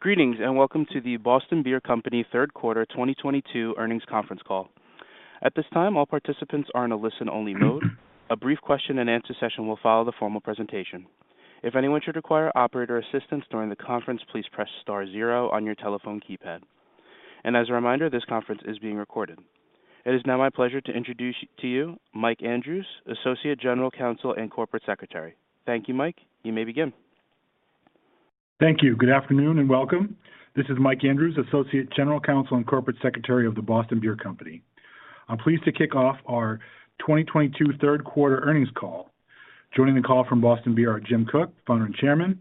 Greetings, and welcome to The Boston Beer Company Q3 2022 earnings conference call. At this time, all participants are in a listen-only mode. A brief question and answer session will follow the formal presentation. If anyone should require operator assistance during the conference, please press star zero on your telephone keypad. As a reminder, this conference is being recorded. It is now my pleasure to introduce to you Mike Andrews, Associate General Counsel and Corporate Secretary. Thank you, Mike. You may begin. Thank you. Good afternoon, and welcome. This is Mike Andrews, Associate General Counsel and Corporate Secretary of The Boston Beer Company. I'm pleased to kick off our 2022 Q3 earnings call. Joining the call from Boston Beer are Jim Koch, Founder and Chairman,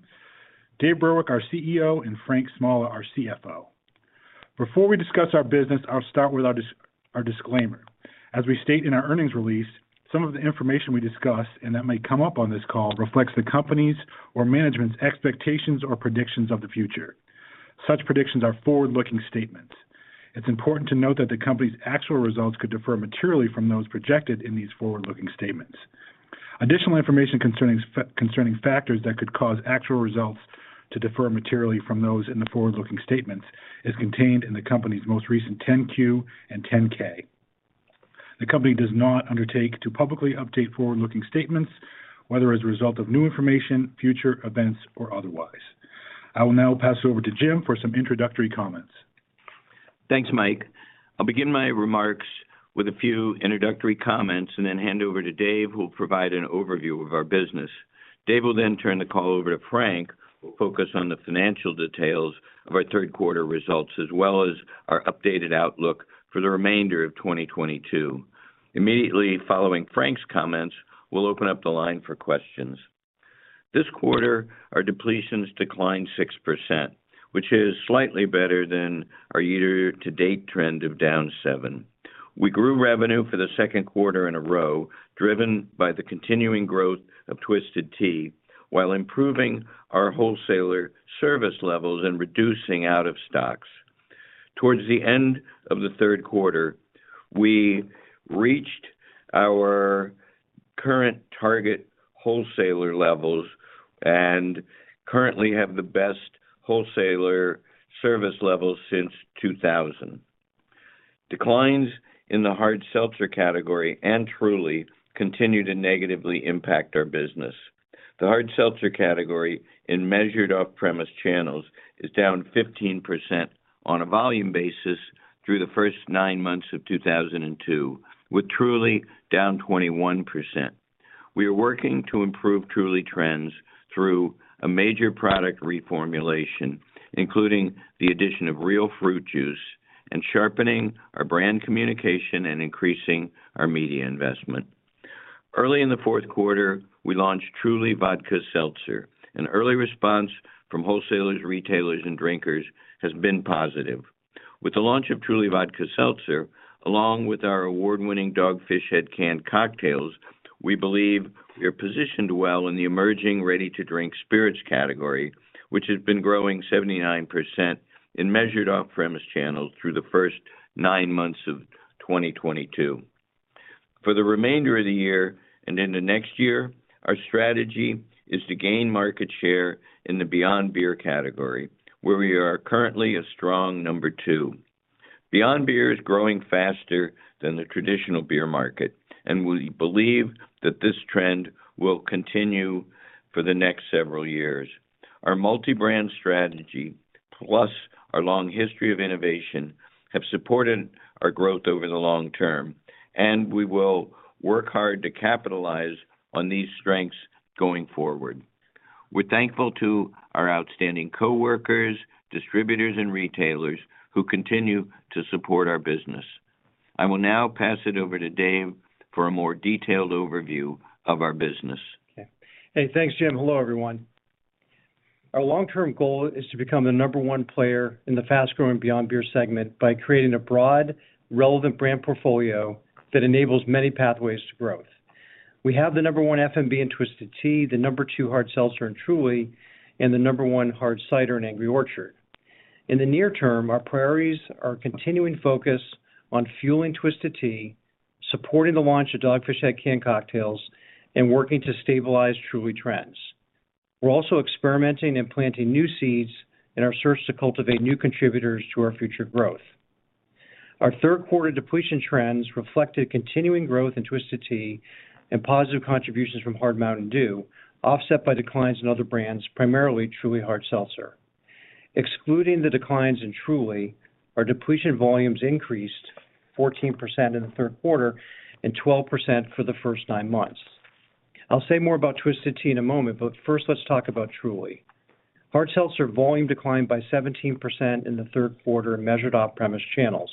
Dave Burwick, our CEO, and Frank Smalla, our CFO. Before we discuss our business, I'll start with our disclaimer. As we state in our earnings release, some of the information we discuss and that may come up on this call reflects the company's or management's expectations or predictions of the future. Such predictions are forward-looking statements. It's important to note that the company's actual results could differ materially from those projected in these forward-looking statements. Additional information concerning factors that could cause actual results to differ materially from those in the forward-looking statements is contained in the company's most recent 10-Q and 10-K. The company does not undertake to publicly update forward-looking statements, whether as a result of new information, future events, or otherwise. I will now pass over to Jim for some introductory comments. Thanks, Mike. I'll begin my remarks with a few introductory comments and then hand over to Dave, who will provide an overview of our business. Dave will then turn the call over to Frank, who will focus on the financial details of our Q3 results, as well as our updated outlook for the remainder of 2022. Immediately following Frank's comments, we'll open up the line for questions. This quarter, our depletions declined 6%, which is slightly better than our year-to-date trend of down 7%. We grew revenue for the Q2 in a row, driven by the continuing growth of Twisted Tea while improving our wholesaler service levels and reducing out of stocks. Toward the end of the Q3, we reached our current target wholesaler levels and currently have the best wholesaler service levels since 2000. Declines in the hard seltzer category and Truly continue to negatively impact our business. The hard seltzer category in measured off-premise channels is down 15% on a volume basis through the first nine months of 2022, with Truly down 21%. We are working to improve Truly trends through a major product reformulation, including the addition of real fruit juice and sharpening our brand communication and increasing our media investment. Early in the Q4, we launched Truly Vodka Seltzer. An early response from wholesalers, retailers, and drinkers has been positive. With the launch of Truly Vodka Seltzer, along with our award-winning Dogfish Head canned cocktails, we believe we are positioned well in the emerging ready-to-drink spirits category, which has been growing 79% in measured off-premise channels through the first nine months of 2022. For the remainder of the year and into next year, our strategy is to gain market share in the beyond beer category, where we are currently a strong number two. Beyond beer is growing faster than the traditional beer market, and we believe that this trend will continue for the next several years. Our multi-brand strategy, plus our long history of innovation, have supported our growth over the long term, and we will work hard to capitalize on these strengths going forward. We're thankful to our outstanding coworkers, distributors, and retailers who continue to support our business. I will now pass it over to Dave for a more detailed overview of our business. Okay. Hey, thanks, Jim. Hello, everyone. Our long-term goal is to become the number one player in the fast-growing beyond beer segment by creating a broad, relevant brand portfolio that enables many pathways to growth. We have the number one FMB in Twisted Tea, the number two hard seltzer in Truly, and the number one hard cider in Angry Orchard. In the near term, our priorities are continuing focus on fueling Twisted Tea, supporting the launch of Dogfish Head canned cocktails, and working to stabilize Truly trends. We're also experimenting and planting new seeds in our search to cultivate new contributors to our future growth. Our Q3 depletion trends reflected continuing growth in Twisted Tea and positive contributions from Hard Mountain Dew, offset by declines in other brands, primarily Truly Hard Seltzer. Excluding the declines in Truly, our depletion volumes increased 14% in the Q3 and 12% for the first 9 months. I'll say more about Twisted Tea in a moment, but first let's talk about Truly. Hard seltzer volume declined by 17% in the Q3 in measured off-premise channels.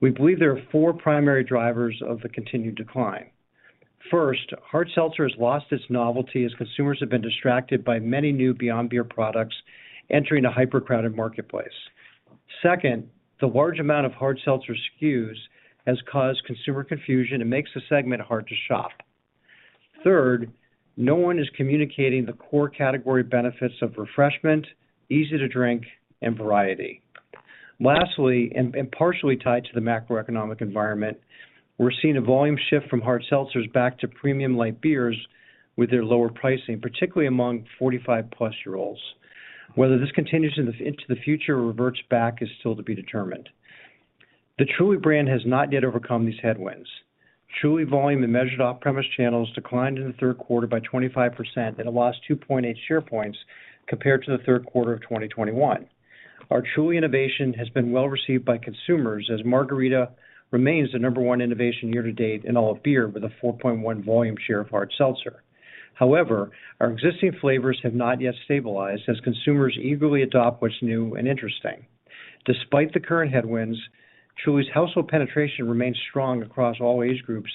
We believe there are 4 primary drivers of the continued decline. First, hard seltzer has lost its novelty as consumers have been distracted by many new beyond beer products entering a hyper-crowded marketplace. Second, the large amount of hard seltzer SKUs has caused consumer confusion and makes the segment hard to shop. Third, no one is communicating the core category benefits of refreshment, easy to drink, and variety. Lastly, and partially tied to the macroeconomic environment, we're seeing a volume shift from hard seltzers back to premium light beers with their lower pricing, particularly among 45+-year-olds. Whether this continues into the future or reverts back is still to be determined. The Truly brand has not yet overcome these headwinds. Truly volume in measured off-premise channels declined in the Q3 by 25%, and it lost 2.8 share points compared to the Q3 of 2021. Our Truly innovation has been well received by consumers, as margarita remains the number one innovation year to date in all of beer with a 4.1 volume share of hard seltzer. However, our existing flavors have not yet stabilized as consumers eagerly adopt what's new and interesting. Despite the current headwinds, Truly's household penetration remains strong across all age groups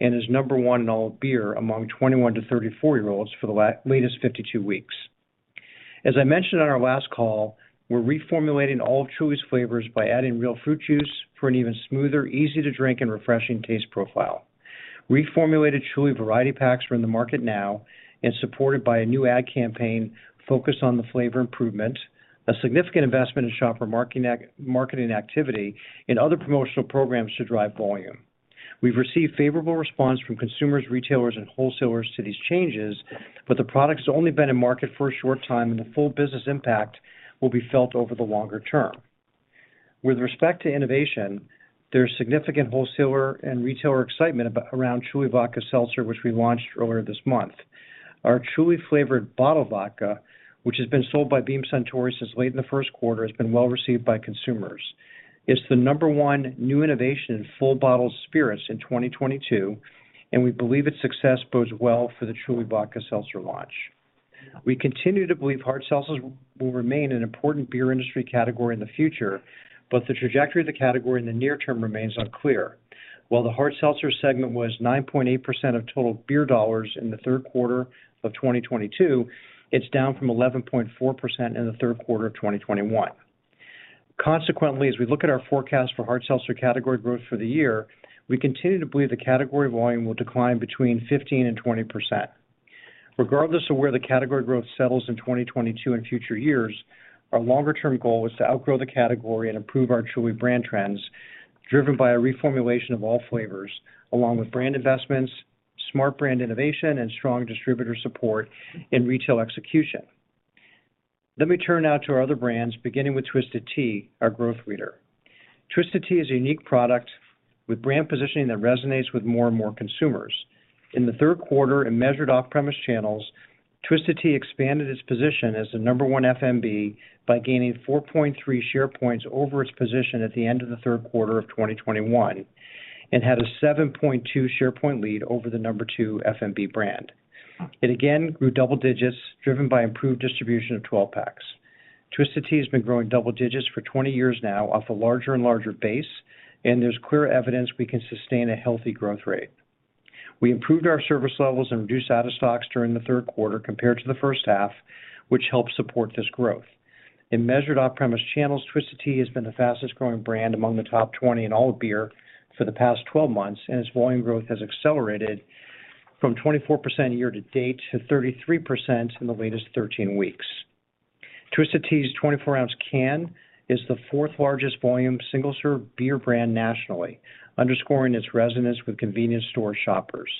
and is number one in all of beer among 21- to 34-year-olds for the latest 52 weeks. As I mentioned on our last call, we're reformulating all of Truly's flavors by adding real fruit juice for an even smoother, easy to drink, and refreshing taste profile. Reformulated Truly variety packs are in the market now and supported by a new ad campaign focused on the flavor improvement, a significant investment in shopper marketing activity, and other promotional programs to drive volume. We've received favorable response from consumers, retailers, and wholesalers to these changes, but the product's only been in market for a short time, and the full business impact will be felt over the longer term. With respect to innovation, there's significant wholesaler and retailer excitement around Truly Vodka Seltzer, which we launched earlier this month. Our Truly flavored bottled vodka, which has been sold by Beam Suntory since late in the Q1, has been well received by consumers. It's the number one new innovation in full bottle spirits in 2022, and we believe its success bodes well for the Truly Vodka Seltzer launch. We continue to believe hard seltzers will remain an important beer industry category in the future, but the trajectory of the category in the near term remains unclear. While the hard seltzer segment was 9.8% of total beer dollars in the Q3 of 2022, it's down from 11.4% in the Q3 of 2021. Consequently, as we look at our forecast for hard seltzer category growth for the year, we continue to believe the category volume will decline between 15% and 20%. Regardless of where the category growth settles in 2022 and future years, our longer term goal is to outgrow the category and improve our Truly brand trends, driven by a reformulation of all flavors along with brand investments, smart brand innovation, and strong distributor support in retail execution. Let me turn now to our other brands, beginning with Twisted Tea, our growth leader. Twisted Tea is a unique product with brand positioning that resonates with more and more consumers. In the Q3, in measured off-premise channels, Twisted Tea expanded its position as the number one FMB by gaining 4.3 share points over its position at the end of the Q3 of 2021 and had a 7.2 share point lead over the number two FMB brand. It again grew double digits, driven by improved distribution of 12-packs. Twisted Tea has been growing double digits for 20 years now off a larger and larger base, and there's clear evidence we can sustain a healthy growth rate. We improved our service levels and reduced out of stocks during the Q3 compared to the H1, which helped support this growth. In measured off-premise channels, Twisted Tea has been the fastest-growing brand among the top 20 in all of beer for the past 12 months, and its volume growth has accelerated from 24% year to date to 33% in the latest 13 weeks. Twisted Tea's 24-ounce can is the fourth largest volume single-serve beer brand nationally, underscoring its resonance with convenience store shoppers.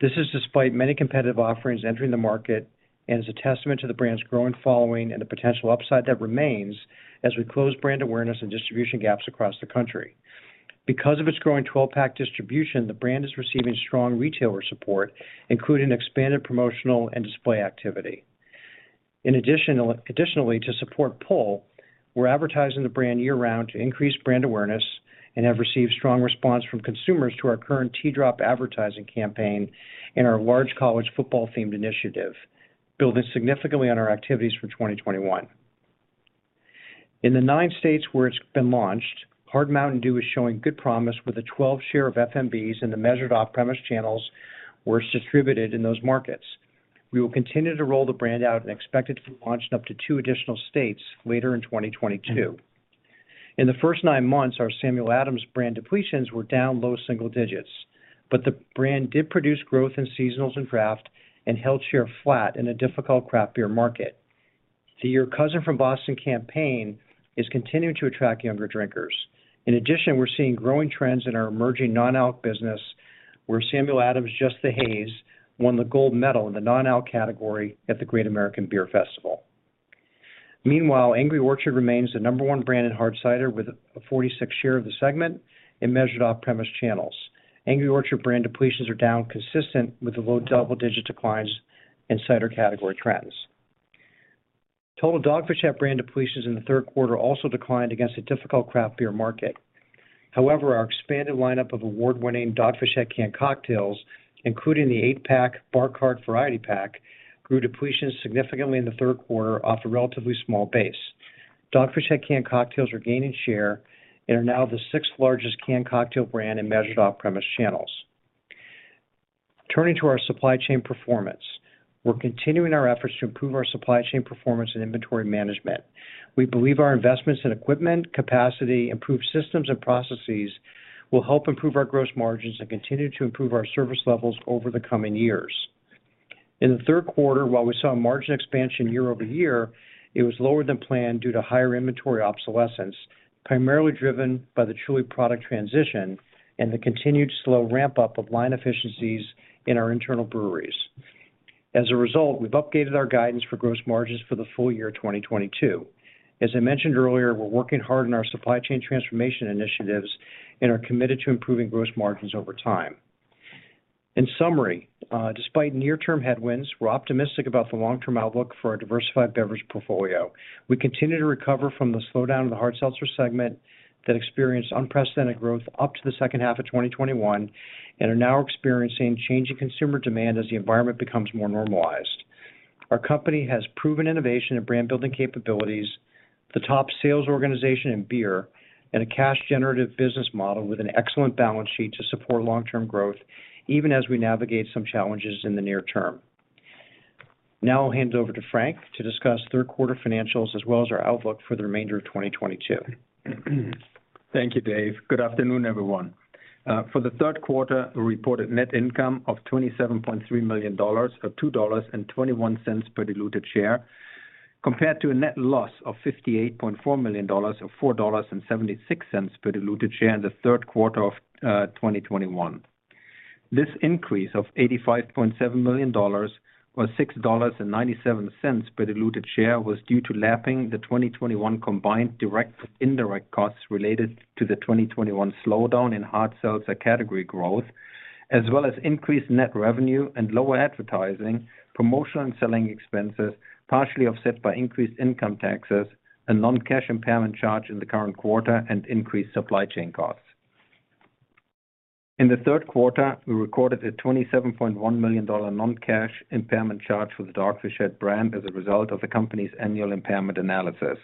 This is despite many competitive offerings entering the market and is a testament to the brand's growing following and the potential upside that remains as we close brand awareness and distribution gaps across the country. Because of its growing twelve-pack distribution, the brand is receiving strong retailer support, including expanded promotional and display activity. Additionally, to support pull, we're advertising the brand year-round to increase brand awareness and have received strong response from consumers to our current Tea Drop advertising campaign and our large college football-themed initiative, building significantly on our activities for 2021. In the nine states where it's been launched, Hard Mountain Dew is showing good promise with a 12% share of FMBs in the measured off-premise channels where it's distributed in those markets. We will continue to roll the brand out and expect it to be launched in up to 2 additional states later in 2022. In the first 9 months, our Samuel Adams brand depletions were down low single digits, but the brand did produce growth in seasonals and draft and held share flat in a difficult craft beer market. The Your Cousin from Boston campaign is continuing to attract younger drinkers. In addition, we're seeing growing trends in our emerging non-alc business, where Samuel Adams Just the Haze won the gold medal in the non-alc category at the Great American Beer Festival. Meanwhile, Angry Orchard remains the number one brand in hard cider with a 46% share of the segment in measured off-premise channels. Angry Orchard brand depletions are down consistent with the low double-digit declines in cider category trends. Total Dogfish Head brand depletions in the Q3 also declined against a difficult craft beer market. However, our expanded lineup of award-winning Dogfish Head canned cocktails, including the 8-pack Bar Cart variety pack, grew depletions significantly in the Q3 off a relatively small base. Dogfish Head canned cocktails are gaining share and are now the sixth-largest canned cocktail brand in measured off-premise channels. Turning to our supply chain performance. We're continuing our efforts to improve our supply chain performance and inventory management. We believe our investments in equipment, capacity, improved systems and processes will help improve our gross margins and continue to improve our service levels over the coming years. In the Q3, while we saw a margin expansion quarter-over-quarter, it was lower than planned due to higher inventory obsolescence, primarily driven by the Truly product transition and the continued slow ramp-up of line efficiencies in our internal breweries. As a result, we've updated our guidance for gross margins for the full year 2022. As I mentioned earlier, we're working hard on our supply chain transformation initiatives and are committed to improving gross margins over time. In summary, despite near-term headwinds, we're optimistic about the long-term outlook for our diversified beverage portfolio. We continue to recover from the slowdown in the hard seltzer segment that experienced unprecedented growth up to the H2 of 2021 and are now experiencing changing consumer demand as the environment becomes more normalized. Our company has proven innovation and brand-building capabilities, the top sales organization in beer, and a cash-generative business model with an excellent balance sheet to support long-term growth, even as we navigate some challenges in the near term. Now I'll hand it over to Frank to discuss third-quarter financials as well as our outlook for the remainder of 2022. Thank you, Dave. Good afternoon, everyone. For the Q3, we reported net income of $27.3 million, or $2.21 per diluted share, compared to a net loss of $58.4 million, or $4.76 per diluted share in the Q3 of 2021. This increase of $85.7 million, or $6.97 per diluted share, was due to lapping the 2021 combined direct and indirect costs related to the 2021 slowdown in hard seltzer category growth, as well as increased net revenue and lower advertising, promotional, and selling expenses, partially offset by increased income taxes and non-cash impairment charge in the current quarter and increased supply chain costs. In the Q3, we recorded a $27.1 million non-cash impairment charge for the Dogfish Head brand as a result of the company's annual impairment analysis.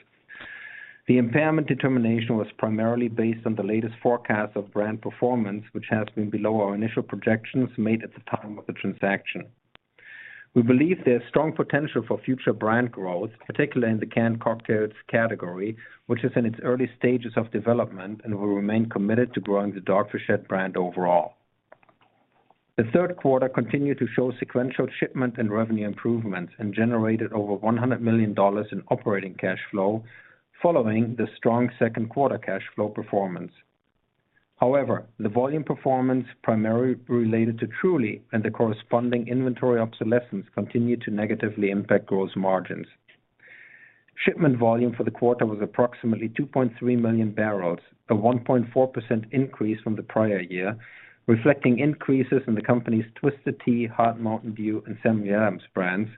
The impairment determination was primarily based on the latest forecast of brand performance, which has been below our initial projections made at the time of the transaction. We believe there's strong potential for future brand growth, particularly in the canned cocktails category, which is in its early stages of development, and we remain committed to growing the Dogfish Head brand overall. The Q3 continued to show sequential shipment and revenue improvements and generated over $100 million in operating cash flow following the strong Q2 cash flow performance. However, the volume performance primarily related to Truly and the corresponding inventory obsolescence continued to negatively impact gross margins. Shipment volume for the quarter was approximately 2.3 million barrels, a 1.4% increase from the prior year, reflecting increases in the company's Twisted Tea, Hard Mountain Dew, and Samuel Adams brands,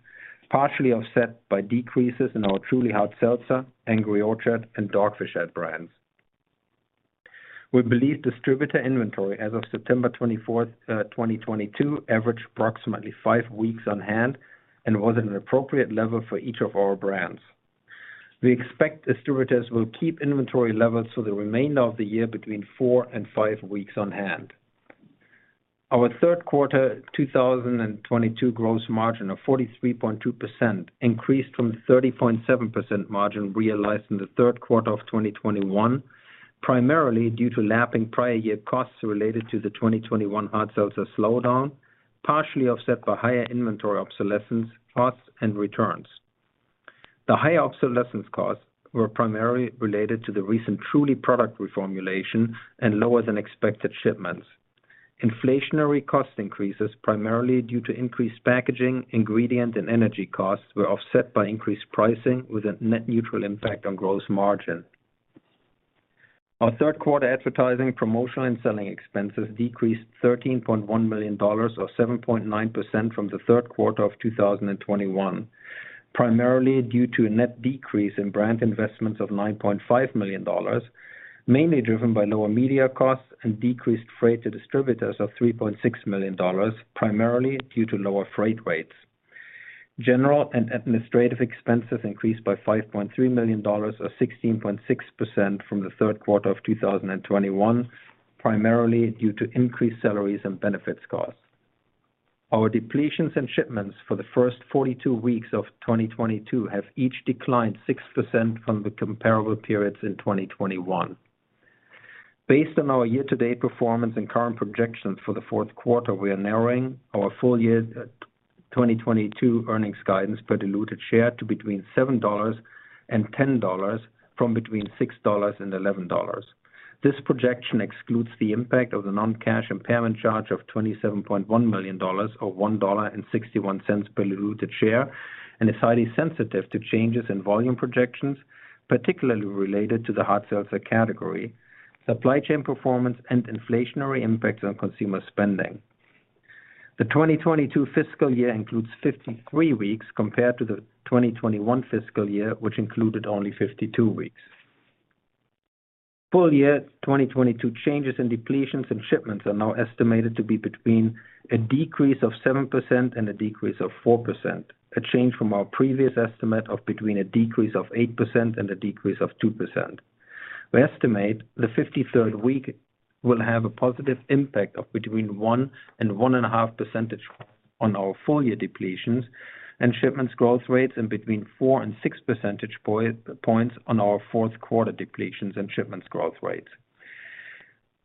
partially offset by decreases in our Truly Hard Seltzer, Angry Orchard, and Dogfish Head brands. We believe distributor inventory as of September 24, 2022 averaged approximately five weeks on hand and was at an appropriate level for each of our brands. We expect distributors will keep inventory levels for the remainder of the year between four and five weeks on hand. Our Q3 2022 gross margin of 43.2% increased from 30.7% margin realized in the Q3 of 2021, primarily due to lapping prior year costs related to the 2021 hard seltzer slowdown, partially offset by higher inventory obsolescence costs and returns. The higher obsolescence costs were primarily related to the recent Truly product reformulation and lower than expected shipments. Inflationary cost increases, primarily due to increased packaging, ingredient, and energy costs, were offset by increased pricing with a net neutral impact on gross margin. Our Q3 advertising, promotional, and selling expenses decreased $13.1 million, or 7.9% from the Q3 of 2021, primarily due to a net decrease in brand investments of $9.5 million, mainly driven by lower media costs and decreased freight to distributors of $3.6 million, primarily due to lower freight rates. General and administrative expenses increased by $5.3 million, or 16.6% from the Q3 of 2021, primarily due to increased salaries and benefits costs. Our depletions and shipments for the first 42 weeks of 2022 have each declined 6% from the comparable periods in 2021. Based on our year-to-date performance and current projections for the Q4, we are narrowing our full year 2022 earnings guidance per diluted share to between $7 and 10 from between $6 and 11. This projection excludes the impact of the non-cash impairment charge of $27.1 million, or $1.61 per diluted share, and is highly sensitive to changes in volume projections, particularly related to the hard seltzer category, supply chain performance, and inflationary impacts on consumer spending. The 2022 fiscal year includes 53 weeks compared to the 2021 fiscal year, which included only 52 weeks. Full year 2022 changes in depletions and shipments are now estimated to be between a decrease of 7% and a decrease of 4%, a change from our previous estimate of between a decrease of 8% and a decrease of 2%. We estimate the 53rd week will have a positive impact of between 1% and 1.5% on our full year depletions and shipments growth rates, and between four and six percentage points on our Q4 depletions and shipments growth rates.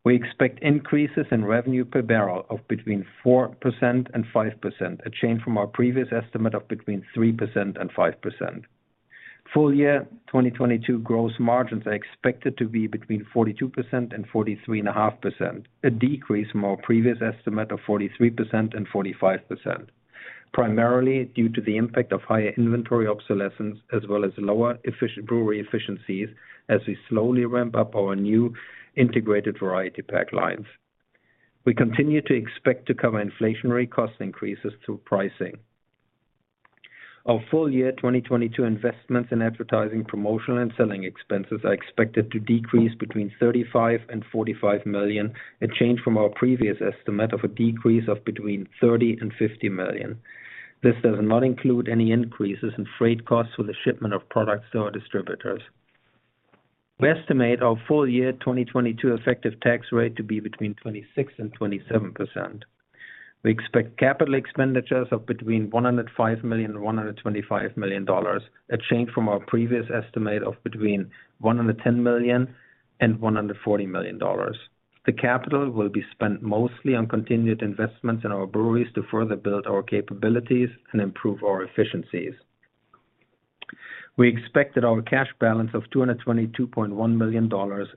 We expect increases in revenue per barrel of between 4% and 5%, a change from our previous estimate of between 3% and 5%. Full year 2022 gross margins are expected to be between 42% and 43.5%, a decrease from our previous estimate of 43% and 45%, primarily due to the impact of higher inventory obsolescence as well as lower brewery efficiencies as we slowly ramp up our new integrated variety pack lines. We continue to expect to cover inflationary cost increases through pricing. Our full year 2022 investments in advertising, promotional, and selling expenses are expected to decrease between $35 million and 45 million, a change from our previous estimate of a decrease of between $30 million and 50 million. This does not include any increases in freight costs for the shipment of products to our distributors. We estimate our full year 2022 effective tax rate to be between 26% and 27%. We expect capital expenditures of between $105 million and 125 million, a change from our previous estimate of between $110 million and 140 million. The capital will be spent mostly on continued investments in our breweries to further build our capabilities and improve our efficiencies. We expect that our cash balance of $222.1 million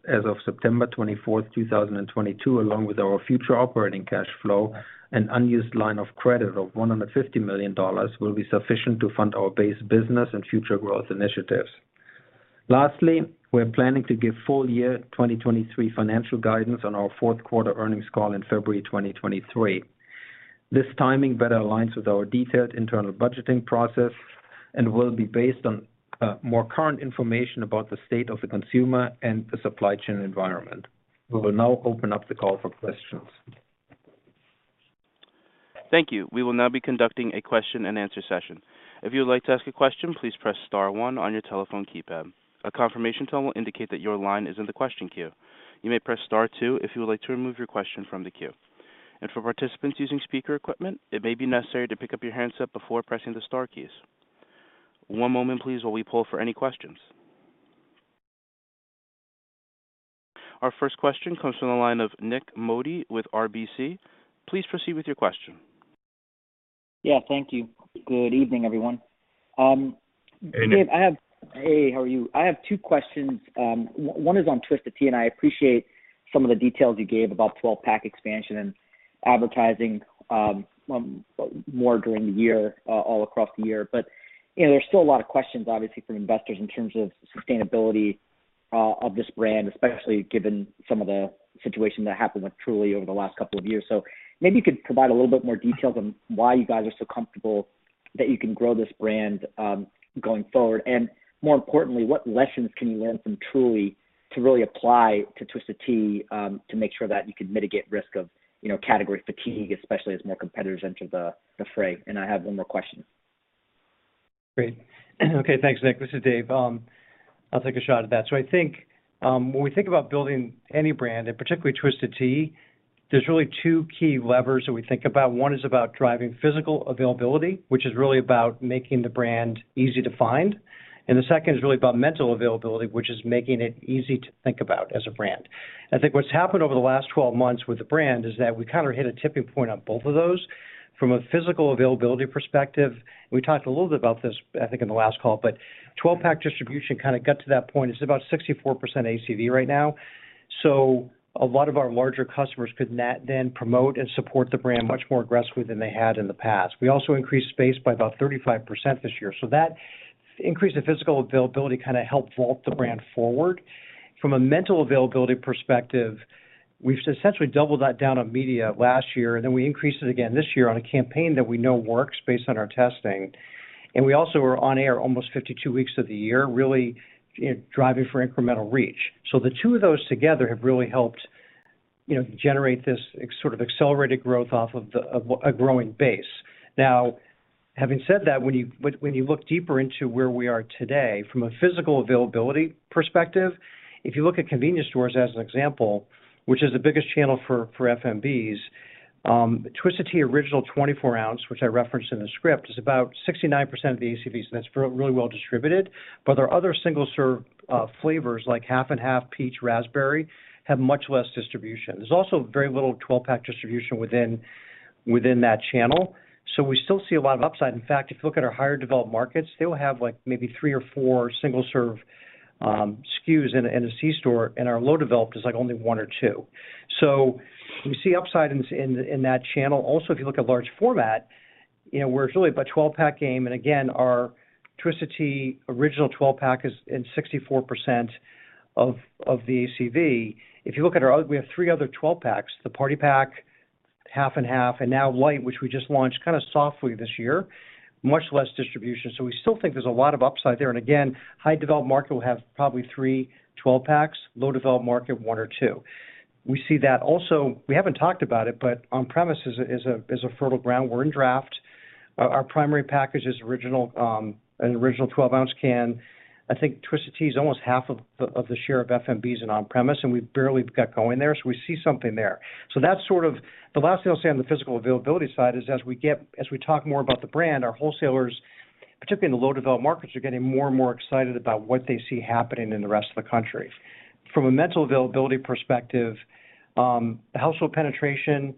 as of September 24, 2022, along with our future operating cash flow and unused line of credit of $150 million, will be sufficient to fund our base business and future growth initiatives. Lastly, we're planning to give full year 2023 financial guidance on our Q4 earnings call in February 2023. This timing better aligns with our detailed internal budgeting process and will be based on more current information about the state of the consumer and the supply chain environment. We will now open up the call for questions. Thank you. We will now be conducting a question and answer session. If you would like to ask a question, please press star one on your telephone keypad. A confirmation tone will indicate that your line is in the question queue. You may press star two if you would like to remove your question from the queue. For participants using speaker equipment, it may be necessary to pick up your handset before pressing the star keys. One moment please, while we poll for any questions. Our first question comes from the line of Nik Modi with RBC. Please proceed with your question. Yeah, thank you. Good evening, everyone. Hey, Nick. Dave, hey, how are you? I have two questions. One is on Twisted Tea, and I appreciate some of the details you gave about 12-pack expansion and advertising more during the year, all across the year. You know, there's still a lot of questions, obviously, from investors in terms of sustainability of this brand, especially given some of the situation that happened with Truly over the last couple of years. Maybe you could provide a little bit more details on why you guys are so comfortable that you can grow this brand going forward. More importantly, what lessons can you learn from Truly to really apply to Twisted Tea to make sure that you can mitigate risk of, you know, category fatigue, especially as more competitors enter the fray. I have one more question. Great. Okay, thanks, Nick. This is Dave. I'll take a shot at that. I think, when we think about building any brand, and particularly Twisted Tea, there's really two key levers that we think about. One is about driving physical availability, which is really about making the brand easy to find. The second is really about mental availability, which is making it easy to think about as a brand. I think what's happened over the last 12 months with the brand is that we kind of hit a tipping point on both of those. From a physical availability perspective, we talked a little bit about this, I think, in the last call, but 12-pack distribution kind of got to that point. It's about 64% ACV right now. A lot of our larger customers could then promote and support the brand much more aggressively than they had in the past. We also increased space by about 35% this year. That increase in physical availability kind of helped vault the brand forward. From a mental availability perspective, we've essentially doubled down on media last year, and then we increased it again this year on a campaign that we know works based on our testing. We also are on air almost 52 weeks of the year, really, you know, driving for incremental reach. The two of those together have really helped, you know, generate this sort of accelerated growth off of a growing base. Now, having said that, when you look deeper into where we are today, from a physical availability perspective, if you look at convenience stores as an example, which is the biggest channel for FMBs, Twisted Tea original 24-ounce, which I referenced in the script, is about 69% of the ACVs, and that's really well distributed. Our other single-serve flavors, like Half & Half Peach Raspberry, have much less distribution. There's also very little 12-pack distribution within that channel, so we still see a lot of upside. In fact, if you look at our higher developed markets, they'll have, like, maybe three or four single-serve SKUs in a C store, and our low developed is, like, only one or two. We see upside in that channel. If you look at large format, you know, we're really a 12-pack game. Again, our Twisted Tea Original 12-pack is in 64% of the ACV. We have three other 12-packs, the Party Pack, Half & Half, and now Light, which we just launched kind of softly this year, much less distribution. We still think there's a lot of upside there. Highly developed market will have probably three 12-packs, less developed market, 1 or 2. We see that. We haven't talked about it, but on-premise is a fertile ground. We're in draft. Our primary package is original, an Original 12-ounce cane. I think Twisted Tea is almost half of the share of FMBs in on-premise, and we barely got going there. We see something there. The last thing I'll say on the physical availability side is as we talk more about the brand, our wholesalers, particularly in the less developed markets are getting more and more excited about what they see happening in the rest of the country. From a mental availability perspective, the household penetration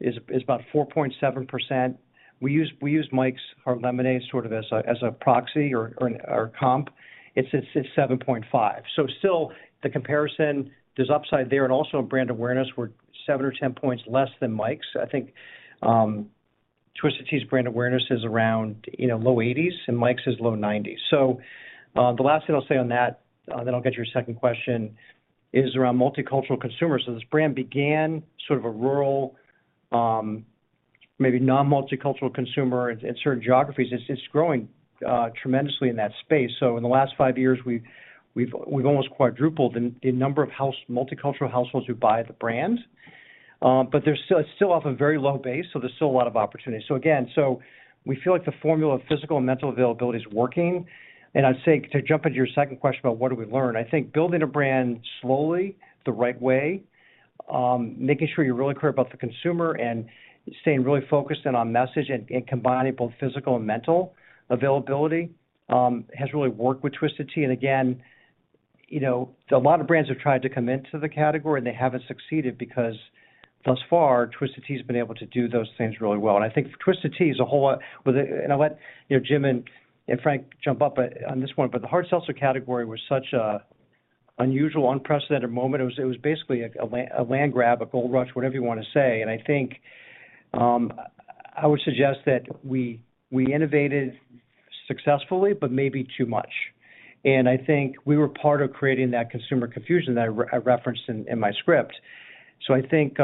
is about 4.7%. We use Mike's Hard Lemonade sort of as a proxy or comp. It's at 7.5%. Still the comparison, there's upside there, and also brand awareness. We're seven or 10 points less than Mike's. I think Twisted Tea's brand awareness is around low 80s, and Mike's is low 90s. The last thing I'll say on that, then I'll get your second question, is around multicultural consumers. This brand began sort of a rural, maybe non-multicultural consumer in certain geographies. It's growing tremendously in that space. In the last five years, we've almost quadrupled the number of Hispanic-multicultural households who buy the brand. There's still, it's still off a very low base, so there's still a lot of opportunity. We feel like the formula of physical and mental availability is working. I'd say, to jump into your second question about what did we learn? I think building a brand slowly the right way, making sure you're really clear about the consumer, and staying really focused in on message, and combining both physical and mental availability, has really worked with Twisted Tea. Again, you know, a lot of brands have tried to come into the category, and they haven't succeeded because thus far, Twisted Tea has been able to do those things really well. I think Twisted Tea is a whole lot. I'll let, you know, Jim and Frank jump in on this one, but the hard seltzer category was such an unusual, unprecedented moment. It was basically a land grab, a gold rush, whatever you wanna say. I think I would suggest that we innovated successfully, but maybe too much. I think we were part of creating that consumer confusion that I referenced in my script. I think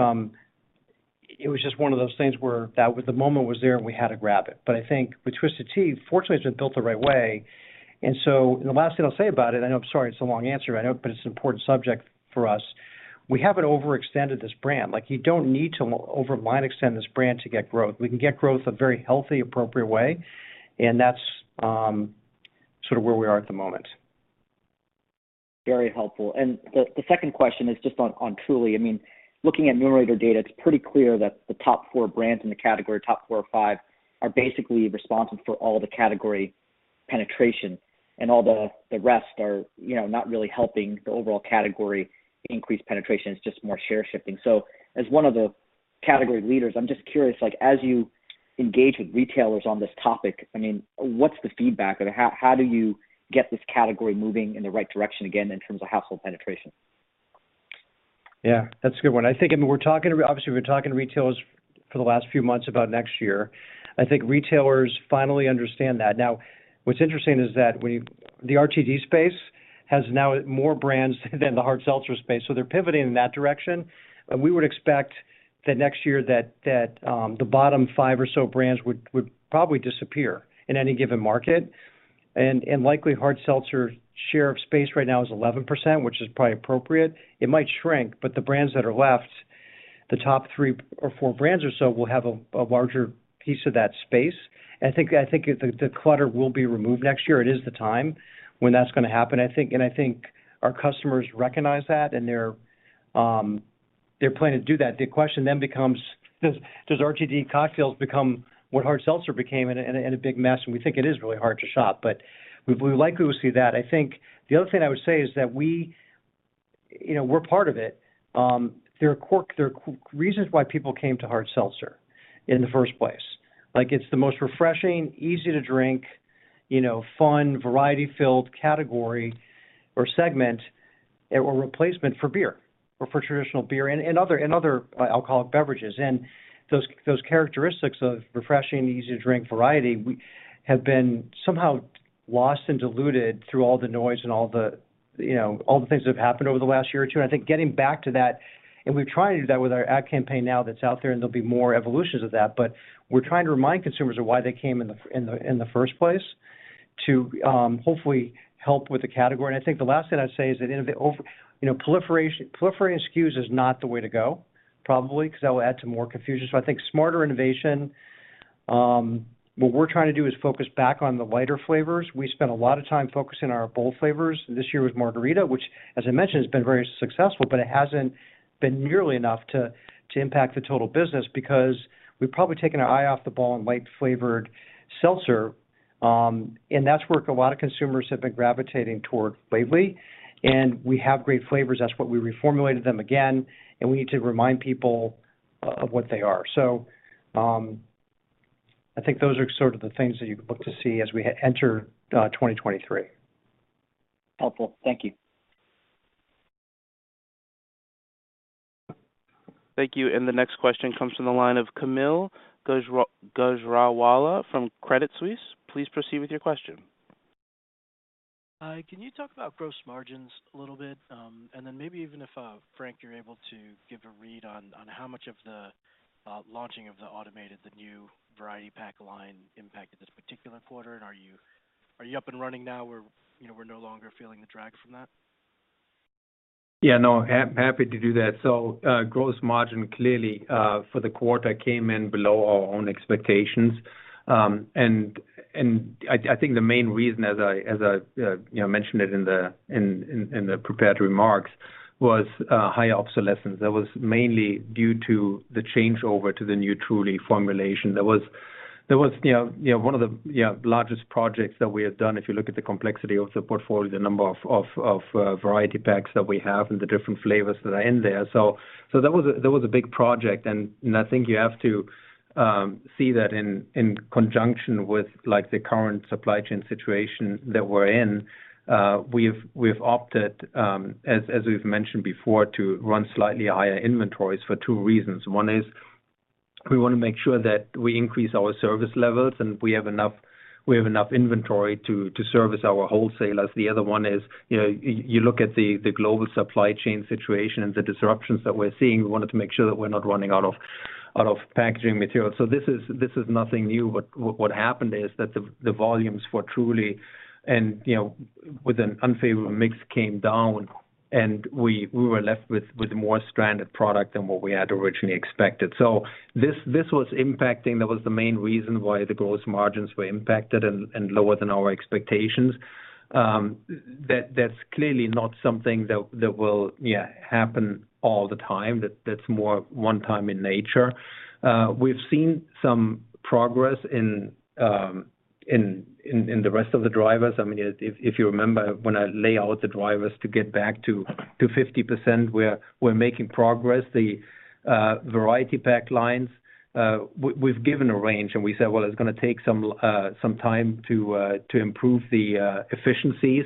it was just one of those things where that was the moment was there, and we had to grab it. I think with Twisted Tea, fortunately, it's been built the right way. The last thing I'll say about it, and I'm sorry it's a long answer, I know, but it's an important subject for us. We haven't overextended this brand. Like, you don't need to overextend this brand to get growth. We can get growth a very healthy, appropriate way, and that's sort of where we are at the moment. Very helpful. The second question is just on Truly. I mean, looking at Numerator data, it's pretty clear that the top 4 brands in the category, top four or five, are basically responsible for all the category penetration, and all the rest are, you know, not really helping the overall category increase penetration. It's just more share shifting. As one of the category leaders, I'm just curious, like, as you engage with retailers on this topic, I mean, what's the feedback? Or how do you get this category moving in the right direction again in terms of household penetration? Yeah, that's a good one. I think, I mean, we're talking, obviously, to retailers for the last few months about next year. I think retailers finally understand that. Now what's interesting is that the RTD space has now more brands than the hard seltzer space, so they're pivoting in that direction. We would expect that next year the bottom five or so brands would probably disappear in any given market. Likely hard seltzer share of space right now is 11%, which is probably appropriate. It might shrink, but the brands that are left, the top three or four brands or so, will have a larger piece of that space. I think the clutter will be removed next year. It is the time when that's gonna happen, I think. I think our customers recognize that, and they're planning to do that. The question then becomes, does RTD cocktails become what hard seltzer became and a big mess? We think it is really hard to shop, but we likely will see that. I think the other thing I would say is that we, you know, we're part of it. There are quirky reasons why people came to hard seltzer in the first place. Like, it's the most refreshing, easy to drink, you know, fun, variety-filled category or segment or replacement for beer or for traditional beer and other alcoholic beverages. Those characteristics of refreshing, easy to drink variety we have been somehow lost and diluted through all the noise and, you know, all the things that have happened over the last year or two. I think getting back to that, and we're trying to do that with our ad campaign now that's out there, and there'll be more evolutions of that. We're trying to remind consumers of why they came in the first place to hopefully help with the category. I think the last thing I'd say is that innovation over, you know, proliferation, proliferating SKUs is not the way to go, probably, because that will add to more confusion. I think smarter innovation. What we're trying to do is focus back on the lighter flavors. We spent a lot of time focusing on our bold flavors. This year it was margarita, which as I mentioned, has been very successful, but it hasn't been nearly enough to impact the total business because we've probably taken our eye off the ball on light flavored seltzer. That's where a lot of consumers have been gravitating toward lately. We have great flavors, that's what we reformulated them again, and we need to remind people of what they are. I think those are sort of the things that you can look to see as we enter 2023. Helpful. Thank you. Thank you. The next question comes from the line of Kaumil Gajrawala from Credit Suisse. Please proceed with your question. Hi, can you talk about gross margins a little bit? Then maybe even if Frank, you're able to give a read on how much of the launching of the automated new variety pack line impacted this particular quarter. Are you up and running now where, you know, we're no longer feeling the drag from that? Yeah, no, happy to do that. Gross margin clearly for the quarter came in below our own expectations. I think the main reason, as I, you know, mentioned it in the prepared remarks, was higher obsolescence. That was mainly due to the changeover to the new Truly formulation. There was, you know, one of the largest projects that we have done, if you look at the complexity of the portfolio, the number of variety packs that we have and the different flavors that are in there. That was a big project. I think you have to see that in conjunction with, like, the current supply chain situation that we're in. We've opted, as we've mentioned before, to run slightly higher inventories for two reasons. One is we wanna make sure that we increase our service levels, and we have enough inventory to service our wholesalers. The other one is, you know, you look at the global supply chain situation and the disruptions that we're seeing. We wanted to make sure that we're not running out of packaging materials. This is nothing new. What happened is that the volumes for Truly and, you know, with an unfavorable mix came down, and we were left with more stranded product than what we had originally expected. This was impacting. That was the main reason why the gross margins were impacted and lower than our expectations. That's clearly not something that will happen all the time. That's more one-time in nature. We've seen some progress in the rest of the drivers. I mean, if you remember when I lay out the drivers to get back to 50%, we're making progress. The variety pack lines, we've given a range, and we said, well, it's gonna take some time to improve the efficiencies.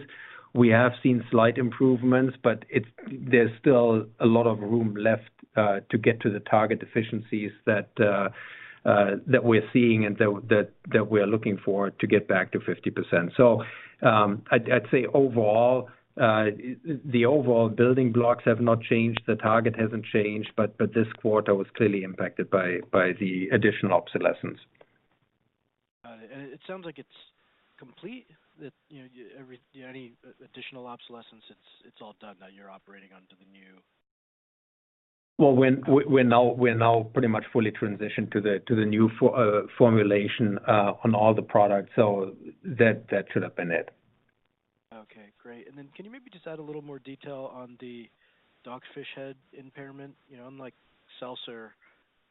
We have seen slight improvements, but there's still a lot of room left to get to the target efficiencies that we're seeing and that we're looking for to get back to 50%. I'd say overall, the building blocks have not changed. The target hasn't changed, but this quarter was clearly impacted by the additional obsolescence. It sounds like it's complete, that you know, any additional obsolescence, it's all done, now you're operating under the new- Well, we're now pretty much fully transitioned to the new formulation on all the products. That should have been it. Okay, great. Can you maybe just add a little more detail on the Dogfish Head impairment? You know, unlike seltzer,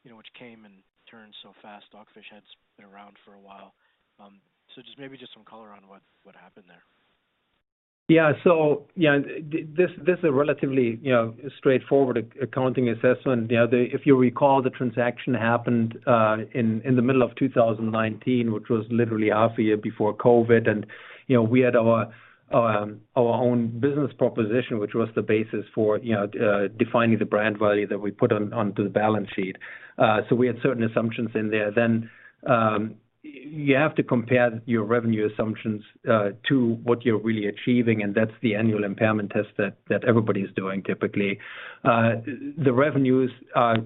you know, which came and turned so fast, Dogfish Head's been around for a while. Just maybe some color on what happened there. This is a relatively, you know, straight forward accounting assessment. If you recall, the transaction happened in the middle of 2019, which was literally half a year before COVID. We had our own business proposition, which was the basis for defining the brand value that we put onto the balance sheet. We had certain assumptions in there. You have to compare your revenue assumptions to what you're really achieving, and that's the annual impairment test that everybody's doing typically. The revenues are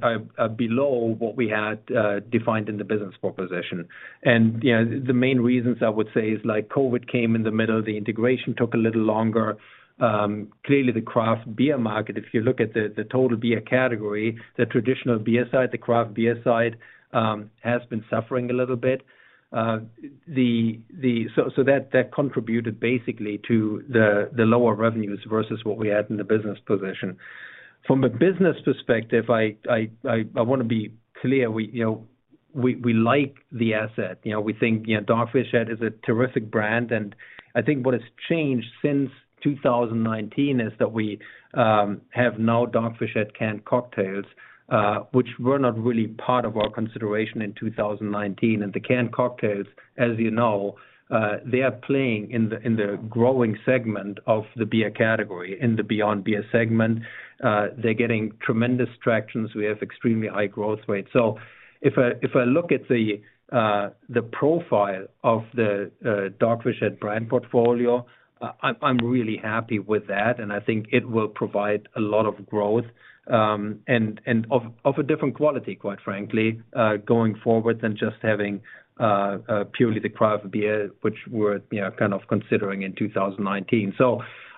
below what we had defined in the business proposition. The main reasons I would say is, like, COVID came in the middle, the integration took a little longer. Clearly the craft beer market, if you look at the total beer category, the traditional beer side, the craft beer side, has been suffering a little bit. That contributed basically to the lower revenues versus what we had in the business position. From a business perspective, I wanna be clear, you know, we like the asset. You know, we think, you know, Dogfish Head is a terrific brand. I think what has changed since 2019 is that we have now Dogfish Head canned cocktails, which were not really part of our consideration in 2019. The canned cocktails, as you know, they are playing in the growing segment of the beer category, in the beyond beer segment. They're getting tremendous traction. We have extremely high growth rates. If I look at the profile of the Dogfish Head brand portfolio, I'm really happy with that, and I think it will provide a lot of growth and of a different quality, quite frankly, going forward than just having purely the craft beer, which we're, you know, kind of considering in 2019.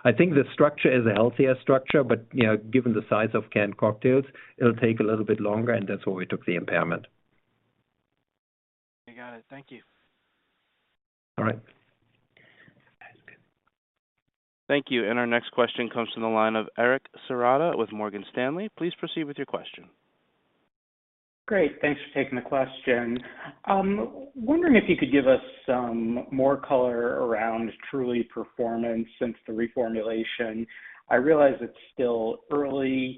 I think the structure is a healthier structure. You know, given the size of canned cocktails, it'll take a little bit longer, and that's why we took the impairment. I got it. Thank you. All right. Thank you. Our next question comes from the line of Eric Serotta with Morgan Stanley. Please proceed with your question. Great. Thanks for taking the question. Wondering if you could give us some more color around Truly performance since the reformulation. I realize it's still early,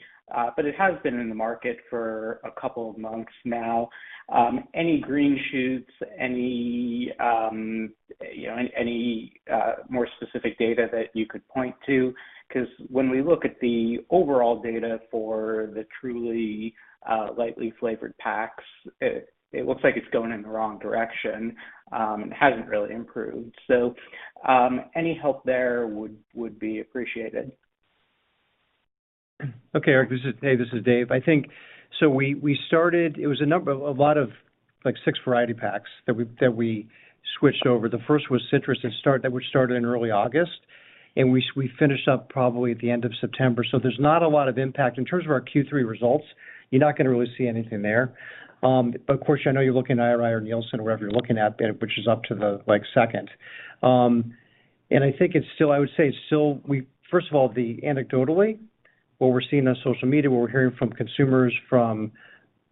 but it has been in the market for a couple of months now. Any green shoots, any you know, any more specific data that you could point to? 'Cause when we look at the overall data for the Truly lightly flavored packs, it looks like it's going in the wrong direction and hasn't really improved. Any help there would be appreciated. Okay, Eric, this is Dave. We started, it was a number of, like, six variety packs that we switched over. The first was citrus that we started in early August, and we finished up probably at the end of September. There's not a lot of impact. In terms of our Q3 results, you're not gonna really see anything there. But of course, I know you're looking at IRI or Nielsen or wherever you're looking at, which is up to the, like, second. And I would say it's still. First of all, the anecdotally. What we're seeing on social media, what we're hearing from consumers, from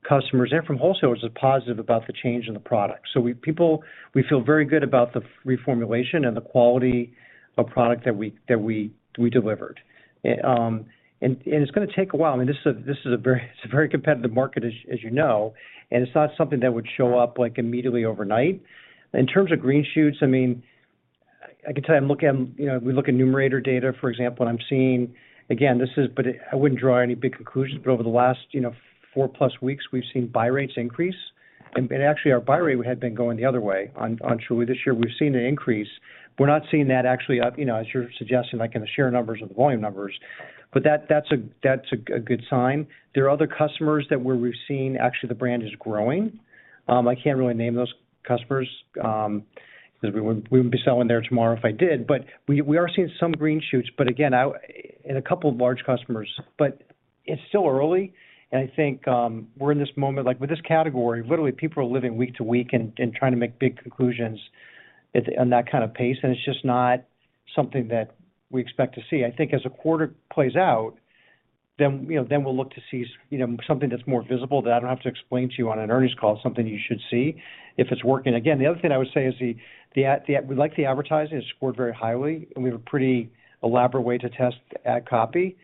customers, and from wholesalers is positive about the change in the product. We feel very good about the reformulation and the quality of product that we delivered. It's gonna take a while. This is a very competitive market as you know, and it's not something that would show up like immediately overnight. In terms of green shoots, I mean, I can tell you I'm looking at, you know, we look at Numerator data, for example, and I'm seeing. Again, I wouldn't draw any big conclusions, but over the last, you know, 4 plus weeks, we've seen buy rates increase. Actually, our buy rate had been going the other way on Truly this year. We've seen an increase. We're not seeing that actually, you know, as you're suggesting, like in the share numbers or the volume numbers, but that's a good sign. There are other customers where we've seen actually the brand is growing. I can't really name those customers, 'cause we wouldn't be selling there tomorrow if I did. We are seeing some green shoots, but again, and a couple of large customers. It's still early, and I think, we're in this moment, like with this category, literally people are living week to week and trying to make big conclusions on that kind of pace, and it's just not something that we expect to see. I think as the quarter plays out, then, you know, then we'll look to see, you know, something that's more visible that I don't have to explain to you on an earnings call, something you should see if it's working. Again, the other thing I would say is we like the advertising. It scored very highly, and we have a pretty elaborate way to test ad copy.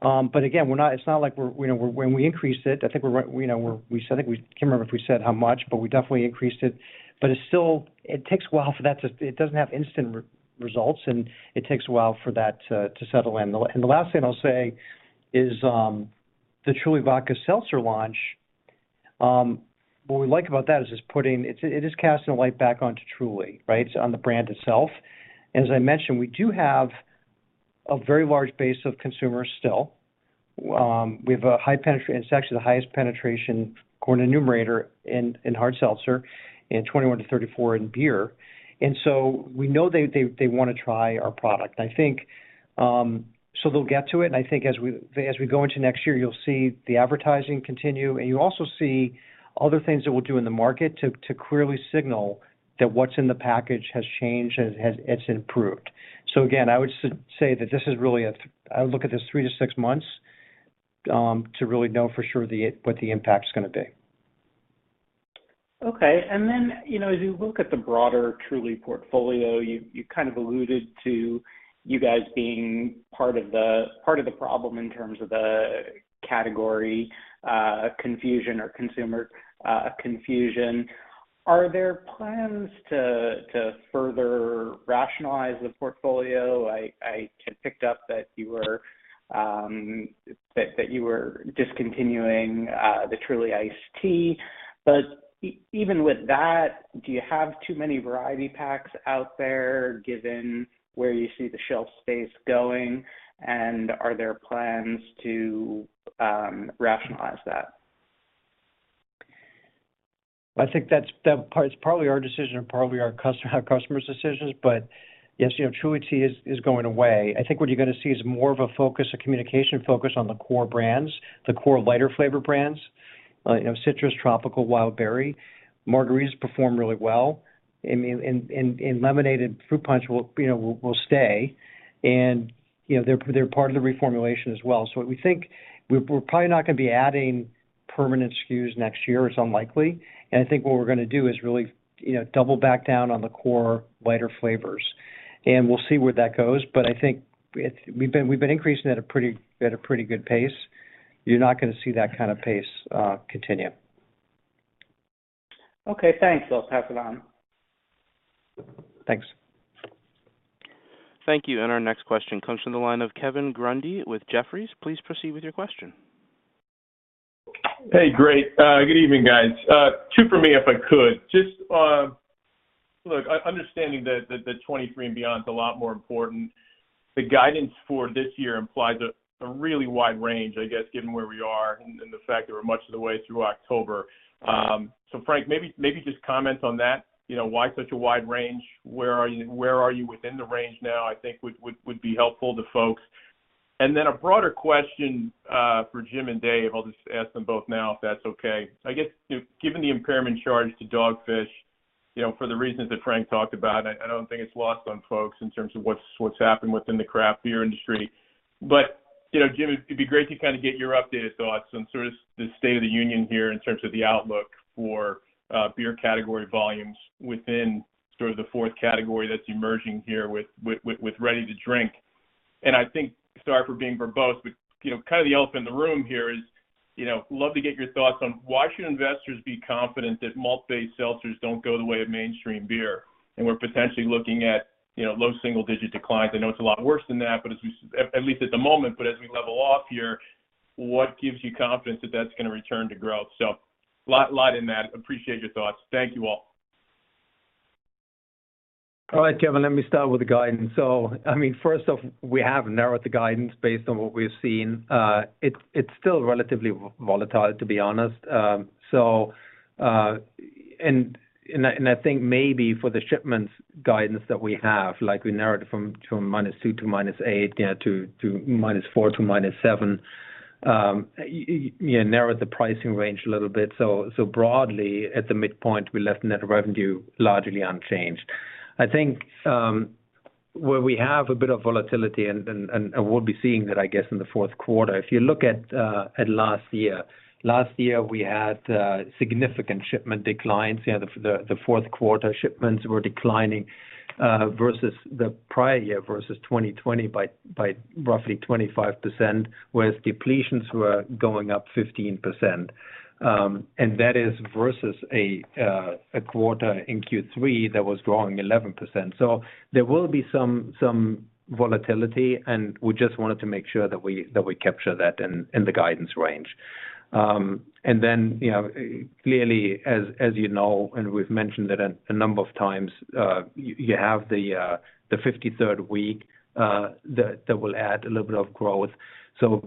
But again, it's not like we're, you know, when we increased it, I think we're right, you know, so I think I can't remember if we said how much, but we definitely increased it. It's still. It doesn't have instant results, and it takes a while for that to settle in. The last thing I'll say is, the Truly Vodka Seltzer launch, what we like about that is it is casting a light back onto Truly, right? It's on the brand itself. As I mentioned, we do have a very large base of consumers still. We have a high penetration, it's actually the highest penetration according to Numerator in hard seltzer and 21-34 in beer. We know they wanna try our product. I think they'll get to it, and I think as we go into next year, you'll see the advertising continue, and you also see other things that we'll do in the market to clearly signal that what's in the package has changed and it's improved. Again, I would look at this three-six months to really know for sure what the impact's gonna be. Okay. As you look at the broader Truly portfolio, you kind of alluded to you guys being part of the problem in terms of the category confusion or consumer confusion. Are there plans to further rationalize the portfolio? I had picked up that you were discontinuing the Truly Iced Tea. Even with that, do you have too many variety packs out there, given where you see the shelf space going? Are there plans to rationalize that? I think that's. It's probably our decision and probably our customers' decisions. Yes, you know, Truly Iced Tea is going away. I think what you're gonna see is more of a focus, a communication focus on the core brands, the core lighter flavor brands. You know, citrus, tropical, wild berry. Margaritas perform really well. Lemonade Fruit Punch will, you know, stay. You know, they're part of the reformulation as well. What we think, we're probably not gonna be adding permanent SKUs next year. It's unlikely. I think what we're gonna do is really, you know, double down on the core lighter flavors. We'll see where that goes. We've been increasing at a pretty good pace. You're not gonna see that kind of pace continue. Okay, thanks. I'll pass it on. Thanks. Thank you. Our next question comes from the line of Kevin Grundy with Jefferies. Please proceed with your question. Hey, great. Good evening, guys. Two for me, if I could. Just understanding that the 2023 and beyond is a lot more important, the guidance for this year implies a really wide range, I guess, given where we are and the fact that we're much of the way through October. So Frank, maybe just comment on that. You know, why such a wide range? Where are you within the range now? I think would be helpful to folks. Then a broader question, for Jim and Dave, I'll just ask them both now if that's okay. I guess, you know, given the impairment charge to Dogfish Head, you know, for the reasons that Frank talked about, I don't think it's lost on folks in terms of what's happened within the craft beer industry. You know, Jim, it'd be great to kind of get your updated thoughts on sort of the state of the union here in terms of the outlook for beer category volumes within sort of the fourth category that's emerging here with ready to drink. I think, sorry for being verbose, but you know, kind of the elephant in the room here is, you know, love to get your thoughts on why should investors be confident that malt-based seltzers don't go the way of mainstream beer, and we're potentially looking at, you know, low single-digit declines. I know it's a lot worse than that, but as we at least at the moment, but as we level off here, what gives you confidence that that's gonna return to growth? Lot in that. Appreciate your thoughts. Thank you all. All right, Kevin, let me start with the guidance. I mean, first off, we have narrowed the guidance based on what we've seen. It's still relatively volatile, to be honest. I think maybe for the shipments guidance that we have, like we narrowed it from -2% to -8%, yeah, to -4% to -7%. You know, narrowed the pricing range a little bit. Broadly, at the midpoint, we left net revenue largely unchanged. I think where we have a bit of volatility, and we'll be seeing that, I guess, in the Q4. If you look at last year, we had significant shipment declines. You know, the Q4 shipments were declining versus the prior year, versus 2020 by roughly 25%, whereas depletions were going up 15%. That is versus a quarter in Q3 that was growing 11%. There will be some volatility, and we just wanted to make sure that we capture that in the guidance range. You know, clearly, as you know, and we've mentioned it a number of times, you have the 53rd week that will add a little bit of growth.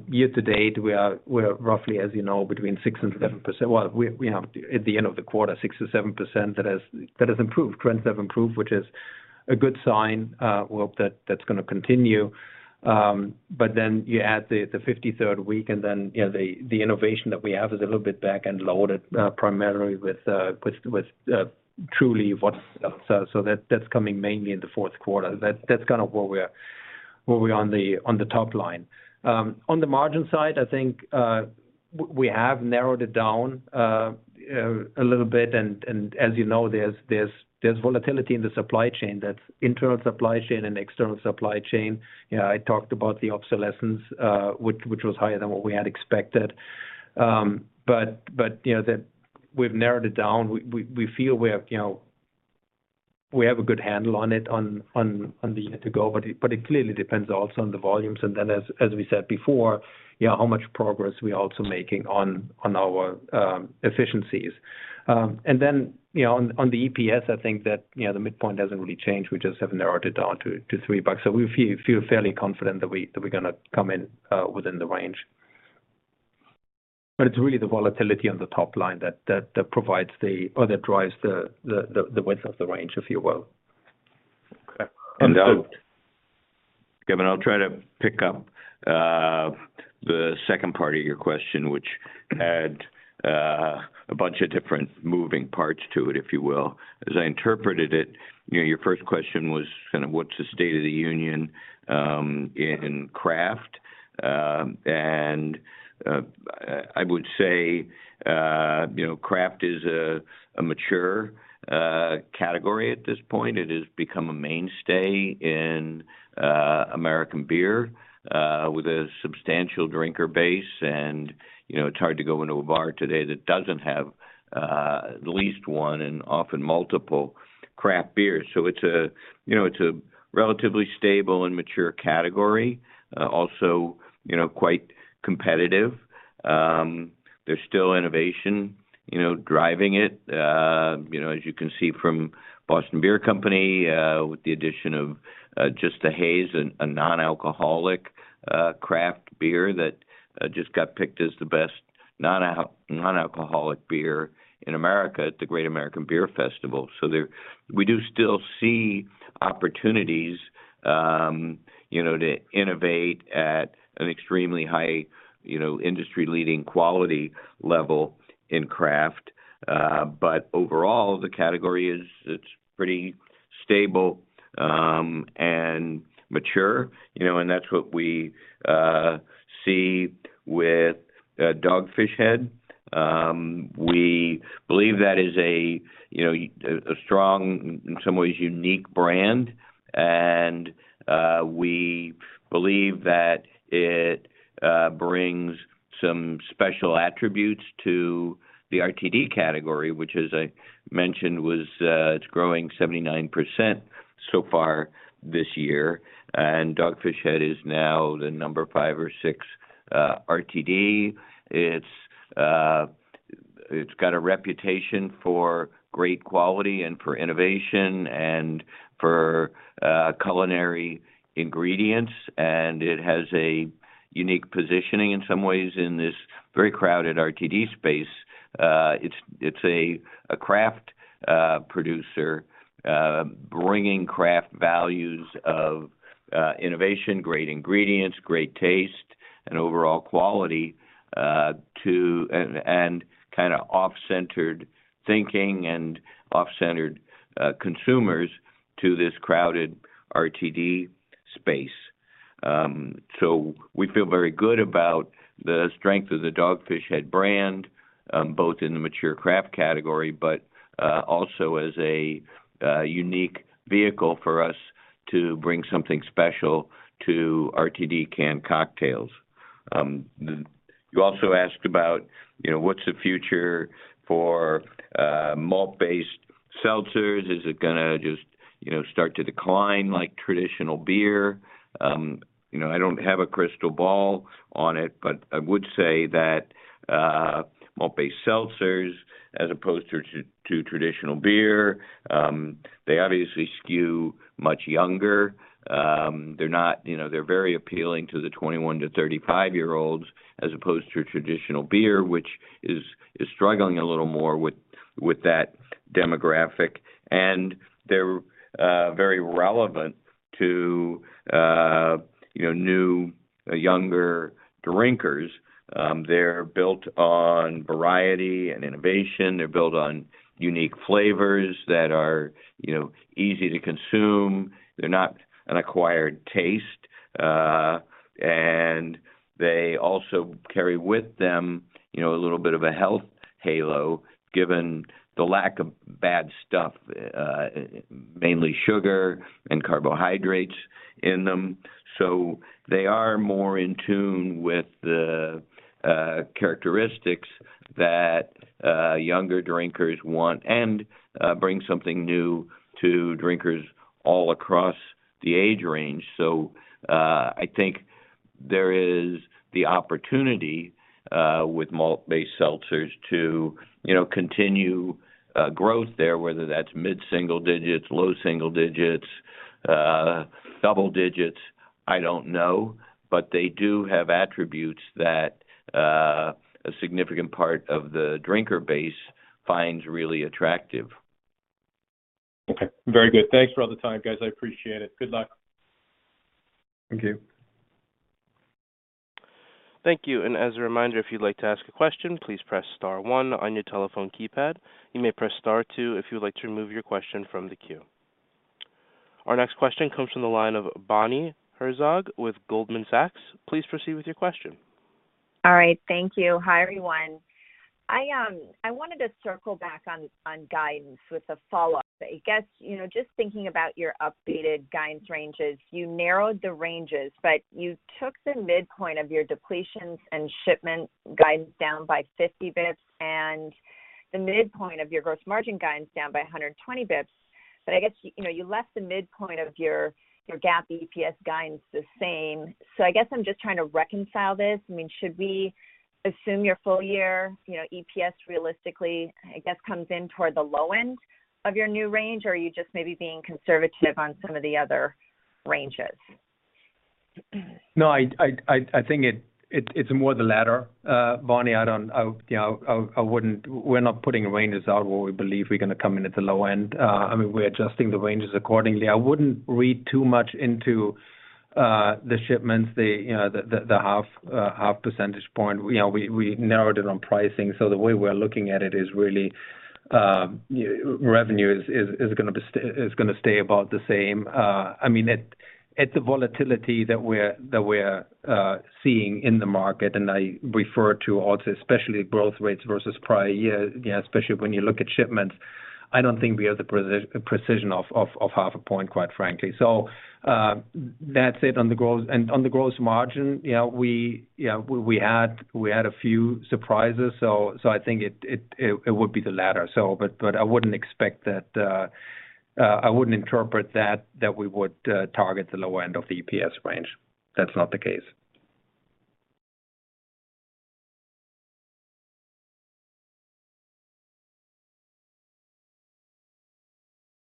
Year to date, we're roughly, as you know, between 6% and 7%. Well, we have at the end of the quarter, 6%-7% that has improved, trends have improved, which is a good sign, we hope that that's gonna continue. But then you add the 53rd week and then, you know, the innovation that we have is a little bit back end loaded, primarily with Truly Vodka Seltzer. So that's coming mainly in the Q4. That's kind of where we are on the top line. On the margin side, I think we have narrowed it down a little bit. As you know, there's volatility in the supply chain, that's internal supply chain and external supply chain. You know, I talked about the obsolescence, which was higher than what we had expected. You know that we've narrowed it down. We feel we have you know we have a good handle on it on the year to go, but it clearly depends also on the volumes and then as we said before, you know, how much progress we're also making on our efficiencies. You know on the EPS, I think that you know the midpoint hasn't really changed. We just have narrowed it down to $3. We feel fairly confident that we're gonna come in within the range. It's really the volatility on the top line that drives the width of the range, if you will. Kevin Grundy, I'll try to pick up the second part of your question, which had a bunch of different moving parts to it, if you will. As I interpreted it, you know, your first question was kind of what's the state of the union in craft? I would say, you know, craft is a mature category at this point. It has become a mainstay in American beer with a substantial drinker base. You know, it's hard to go into a bar today that doesn't have at least one and often multiple craft beers. It's a, you know, it's a relatively stable and mature category. Also, you know, quite competitive. There's still innovation, you know, driving it, you know, as you can see from Boston Beer Company, with the addition of Just the Haze, a non-alcoholic craft beer that just got picked as the best non-alcoholic beer in America at the Great American Beer Festival. We do still see opportunities, you know, to innovate at an extremely high, you know, industry-leading quality level in craft. But overall, the category is pretty stable, and mature, you know, and that's what we see with Dogfish Head. We believe that is a, you know, strong, in some ways unique brand. We believe that it brings some special attributes to the RTD category, which as I mentioned is growing 79% so far this year. Dogfish Head is now the number five or six RTD. It's got a reputation for great quality and for innovation and for culinary ingredients, and it has a unique positioning in some ways in this very crowded RTD space. It's a craft producer bringing craft values of innovation, great ingredients, great taste, and overall quality to and kinda off-centered thinking and off-centered consumers to this crowded RTD space. We feel very good about the strength of the Dogfish Head brand both in the mature craft category, but also as a unique vehicle for us to bring something special to RTD canned cocktails. You also asked about, you know, what's the future for malt-based seltzers? Is it gonna just, you know, start to decline like traditional beer? You know, I don't have a crystal ball on it, but I would say that malt-based seltzers, as opposed to traditional beer, they're very appealing to the 21-35-year-olds, as opposed to your traditional beer, which is struggling a little more with With that demographic. They're very relevant to you know, new, younger drinkers. They're built on variety and innovation. They're built on unique flavors that are, you know, easy to consume. They're not an acquired taste, and they also carry with them, you know, a little bit of a health halo, given the lack of bad stuff, mainly sugar and carbohydrates in them. They are more in tune with the characteristics that younger drinkers want and bring something new to drinkers all across the age range. I think there is the opportunity with malt-based seltzers to you know, continue growth there, whether that's mid-single digits, low single digits, double digits, I don't know. They do have attributes that a significant part of the drinker base finds really attractive. Okay, very good. Thanks for all the time, guys. I appreciate it. Good luck. Thank you. Thank you. As a reminder, if you'd like to ask a question, please press star one on your telephone keypad. You may press star two if you would like to remove your question from the queue. Our next question comes from the line of Bonnie Herzog with Goldman Sachs. Please proceed with your question. All right, thank you. Hi, everyone. I wanted to circle back on guidance with a follow-up. I guess, you know, just thinking about your updated guidance ranges, you narrowed the ranges, but you took the midpoint of your depletions and shipments guidance down by 50 basis points and the midpoint of your gross margin guidance down by 120 basis points. I guess, you know, you left the midpoint of your GAAP EPS guidance the same. I guess I'm just trying to reconcile this. I mean, should we assume your full year, you know, EPS realistically, I guess, comes in toward the low end of your new range, or are you just maybe being conservative on some of the other ranges? No, I think it's more the latter, Bonnie. I don't. You know, I wouldn't. We're not putting ranges out where we believe we're gonna come in at the low end. I mean, we're adjusting the ranges accordingly. I wouldn't read too much into the shipments, you know, the half percentage point. You know, we narrowed it on pricing. The way we're looking at it is really revenue is gonna stay about the same. I mean, it's a volatility that we're seeing in the market. I refer to also especially growth rates versus prior years, you know, especially when you look at shipments. I don't think we have the precision of half a point, quite frankly. That's it on the growth. On the gross margin, you know, we had a few surprises. I think it would be the latter. I wouldn't interpret that we would target the low end of the EPS range. That's not the case.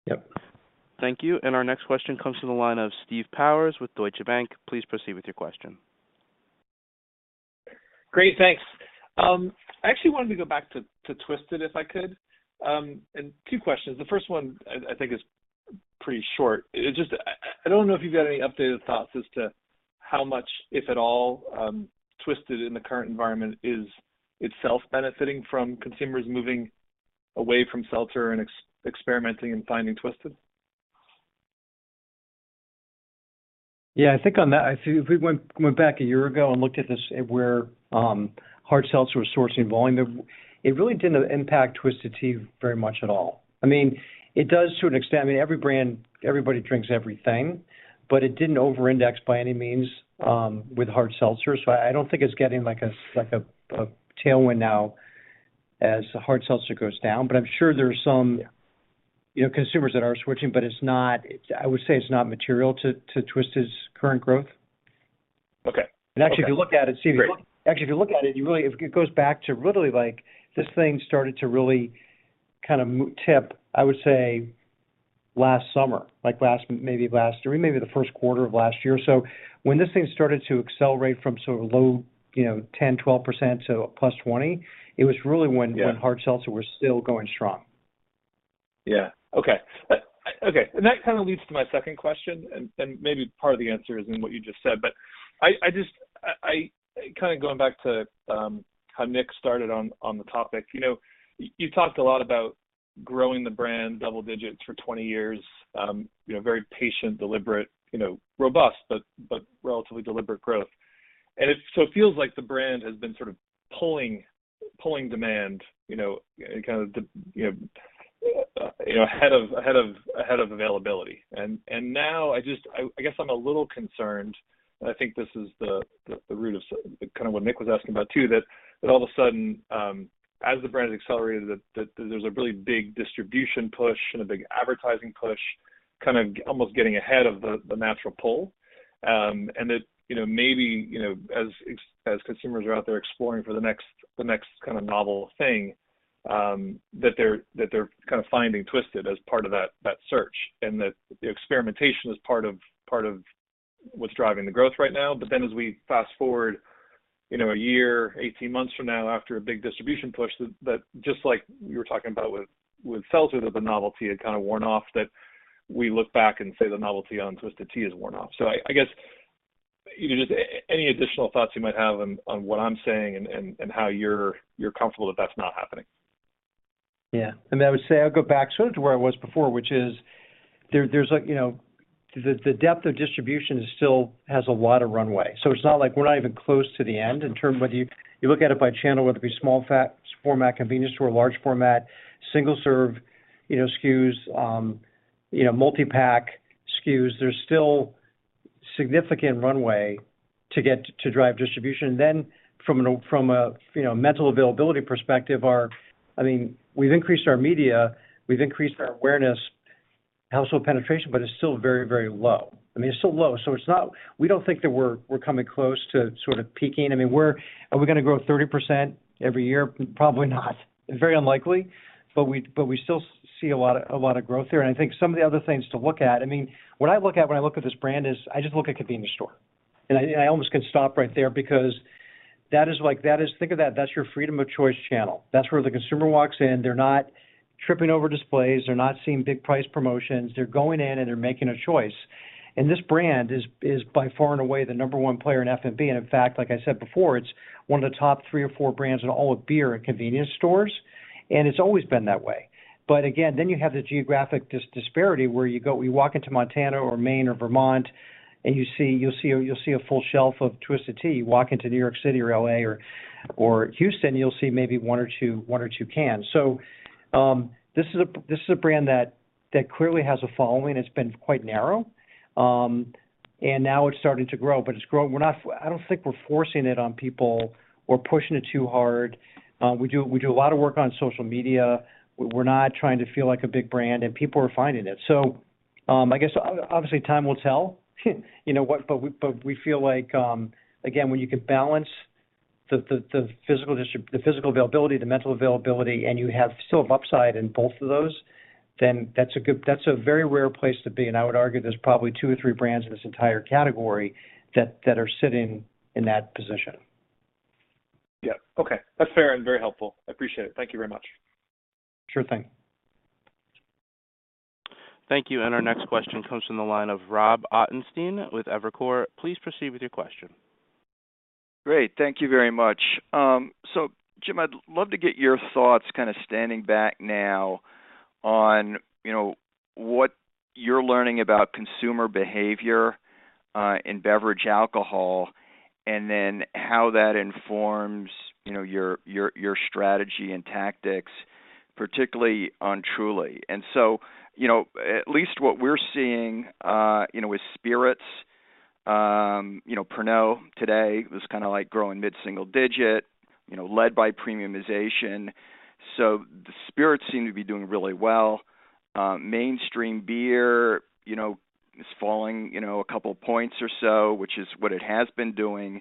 Yep. Thank you. Our next question comes from the line of Steve Powers with Deutsche Bank. Please proceed with your question. Great, thanks. I actually wanted to go back to Twisted, if I could. Two questions. The first one I think is pretty short. I don't know if you've got any updated thoughts as to how much, if at all, Twisted in the current environment is itself benefiting from consumers moving away from seltzer and experimenting and finding Twisted. Yeah, I think on that, if we went back a year ago and looked at this, at where hard seltzers were sourcing volume, it really didn't impact Twisted Tea very much at all. I mean, it does to an extent. I mean, every brand, everybody drinks everything. It didn't over-index by any means with hard seltzers. I don't think it's getting like a tailwind now as the hard seltzer goes down, but I'm sure there are some, you know, consumers that are switching, but I would say it's not material to Twisted's current growth. Okay. Actually, if you look at it, Steve. Great. Actually, if you look at it goes back to really, like, this thing started to really kind of tip, I would say, last summer or maybe the Q1 of last year. When this thing started to accelerate from sort of low, you know, 10, 12% to +20%, it was really when. Yeah. when hard seltzer was still going strong. Yeah. Okay. Okay, that kind of leads to my second question, and maybe part of the answer is in what you just said. But I just. I kind of going back to how Nick started on the topic. You know, you talked a lot about growing the brand double digits for 20 years, you know, very patient, deliberate, you know, robust, but relatively deliberate growth. It feels like the brand has been sort of pulling demand, you know, kind of ahead of availability. Now I guess I'm a little concerned, and I think this is the root of kind of what Nick was asking about too, that all of a sudden, as the brand has accelerated, that there's a really big distribution push and a big advertising push kind of almost getting ahead of the natural pull. It, you know, maybe, you know, as consumers are out there exploring for the next kind of novel thing, that they're kind of finding Twisted as part of that search. That the experimentation is part of what's driving the growth right now. as we fast-forward. You know, a year, 18 months from now, after a big distribution push that just like you were talking about with seltzers that the novelty had kind of worn off, that we look back and say the novelty on Twisted Tea has worn off. I guess just any additional thoughts you might have on what I'm saying and how you're comfortable that that's not happening. Yeah. I mean, I would say I'd go back sort of to where I was before, which is there's like, you know, the depth of distribution is still has a lot of runway. So it's not like we're not even close to the end whether you look at it by channel, whether it be small format convenience store, large format, single serve, you know, SKUs, you know, multi-pack SKUs. There's still significant runway to get to drive distribution. Then from a, you know, mental availability perspective, I mean, we've increased our media, we've increased our awareness, household penetration, but it's still very, very low. I mean, it's still low. So we don't think that we're coming close to sort of peaking. I mean, we're. Are we gonna grow 30% every year? Probably not. It's very unlikely. We still see a lot of growth there. I think some of the other things to look at. I mean, what I look at when I look at this brand is I just look at convenience store, and I almost can stop right there because that is like. Think of that's your freedom of choice channel. That's where the consumer walks in. They're not tripping over displays. They're not seeing big price promotions. They're going in, and they're making a choice. This brand is by far and away the number one player in FMB. In fact, like I said before, it's one of the top three or four brands in all of beer at convenience stores, and it's always been that way. Again, then you have the geographic disparity where you go, you walk into Montana or Maine or Vermont and you see a full shelf of Twisted Tea. You walk into New York City or L.A. or Houston, you'll see maybe one or two cans. This is a brand that clearly has a following. It's been quite narrow, and now it's starting to grow, but we're not. I don't think we're forcing it on people or pushing it too hard. We do a lot of work on social media. We're not trying to feel like a big brand, and people are finding it. I guess obviously time will tell, you know, but we feel like again, when you can balance the physical availability, the mental availability, and you still have upside in both of those, then that's a very rare place to be. I would argue there's probably two or three brands in this entire category that are sitting in that position. Yeah. Okay. That's fair and very helpful. I appreciate it. Thank you very much. Sure thing. Thank you. Our next question comes from the line of Robert Ottenstein with Evercore. Please proceed with your question. Great. Thank you very much. Jim, I'd love to get your thoughts kind of standing back now on, you know, what you're learning about consumer behavior in beverage alcohol, and then how that informs, you know, your strategy and tactics, particularly on Truly. At least what we're seeing, you know, with spirits, you know, Pernod Ricard today was kind of like growing mid-single-digit%, you know, led by premiumization. The spirits seem to be doing really well. Mainstream beer, you know, is falling, you know, a couple points or so, which is what it has been doing.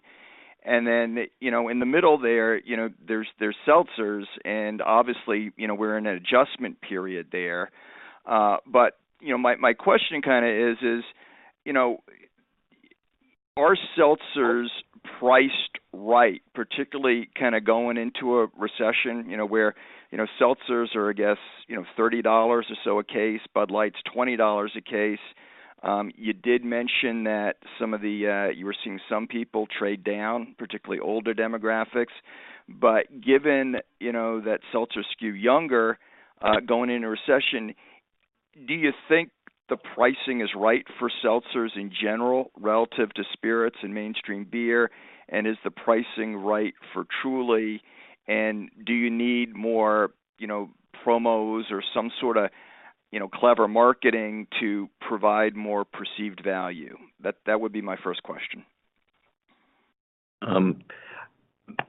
In the middle there, you know, there's seltzers and obviously, you know, we're in an adjustment period there. You know, my question kinda is, you know, are seltzers priced right, particularly kind of going into a recession, you know, where you know seltzers are, I guess, you know, $30 or so a case, Bud Light's $20 a case. You did mention that some of the you were seeing some people trade down, particularly older demographics. Given you know that seltzers skew younger, going into a recession, do you think the pricing is right for seltzers in general relative to spirits and mainstream beer? And is the pricing right for Truly? And do you need more you know promos or some sort of you know clever marketing to provide more perceived value? That would be my first question.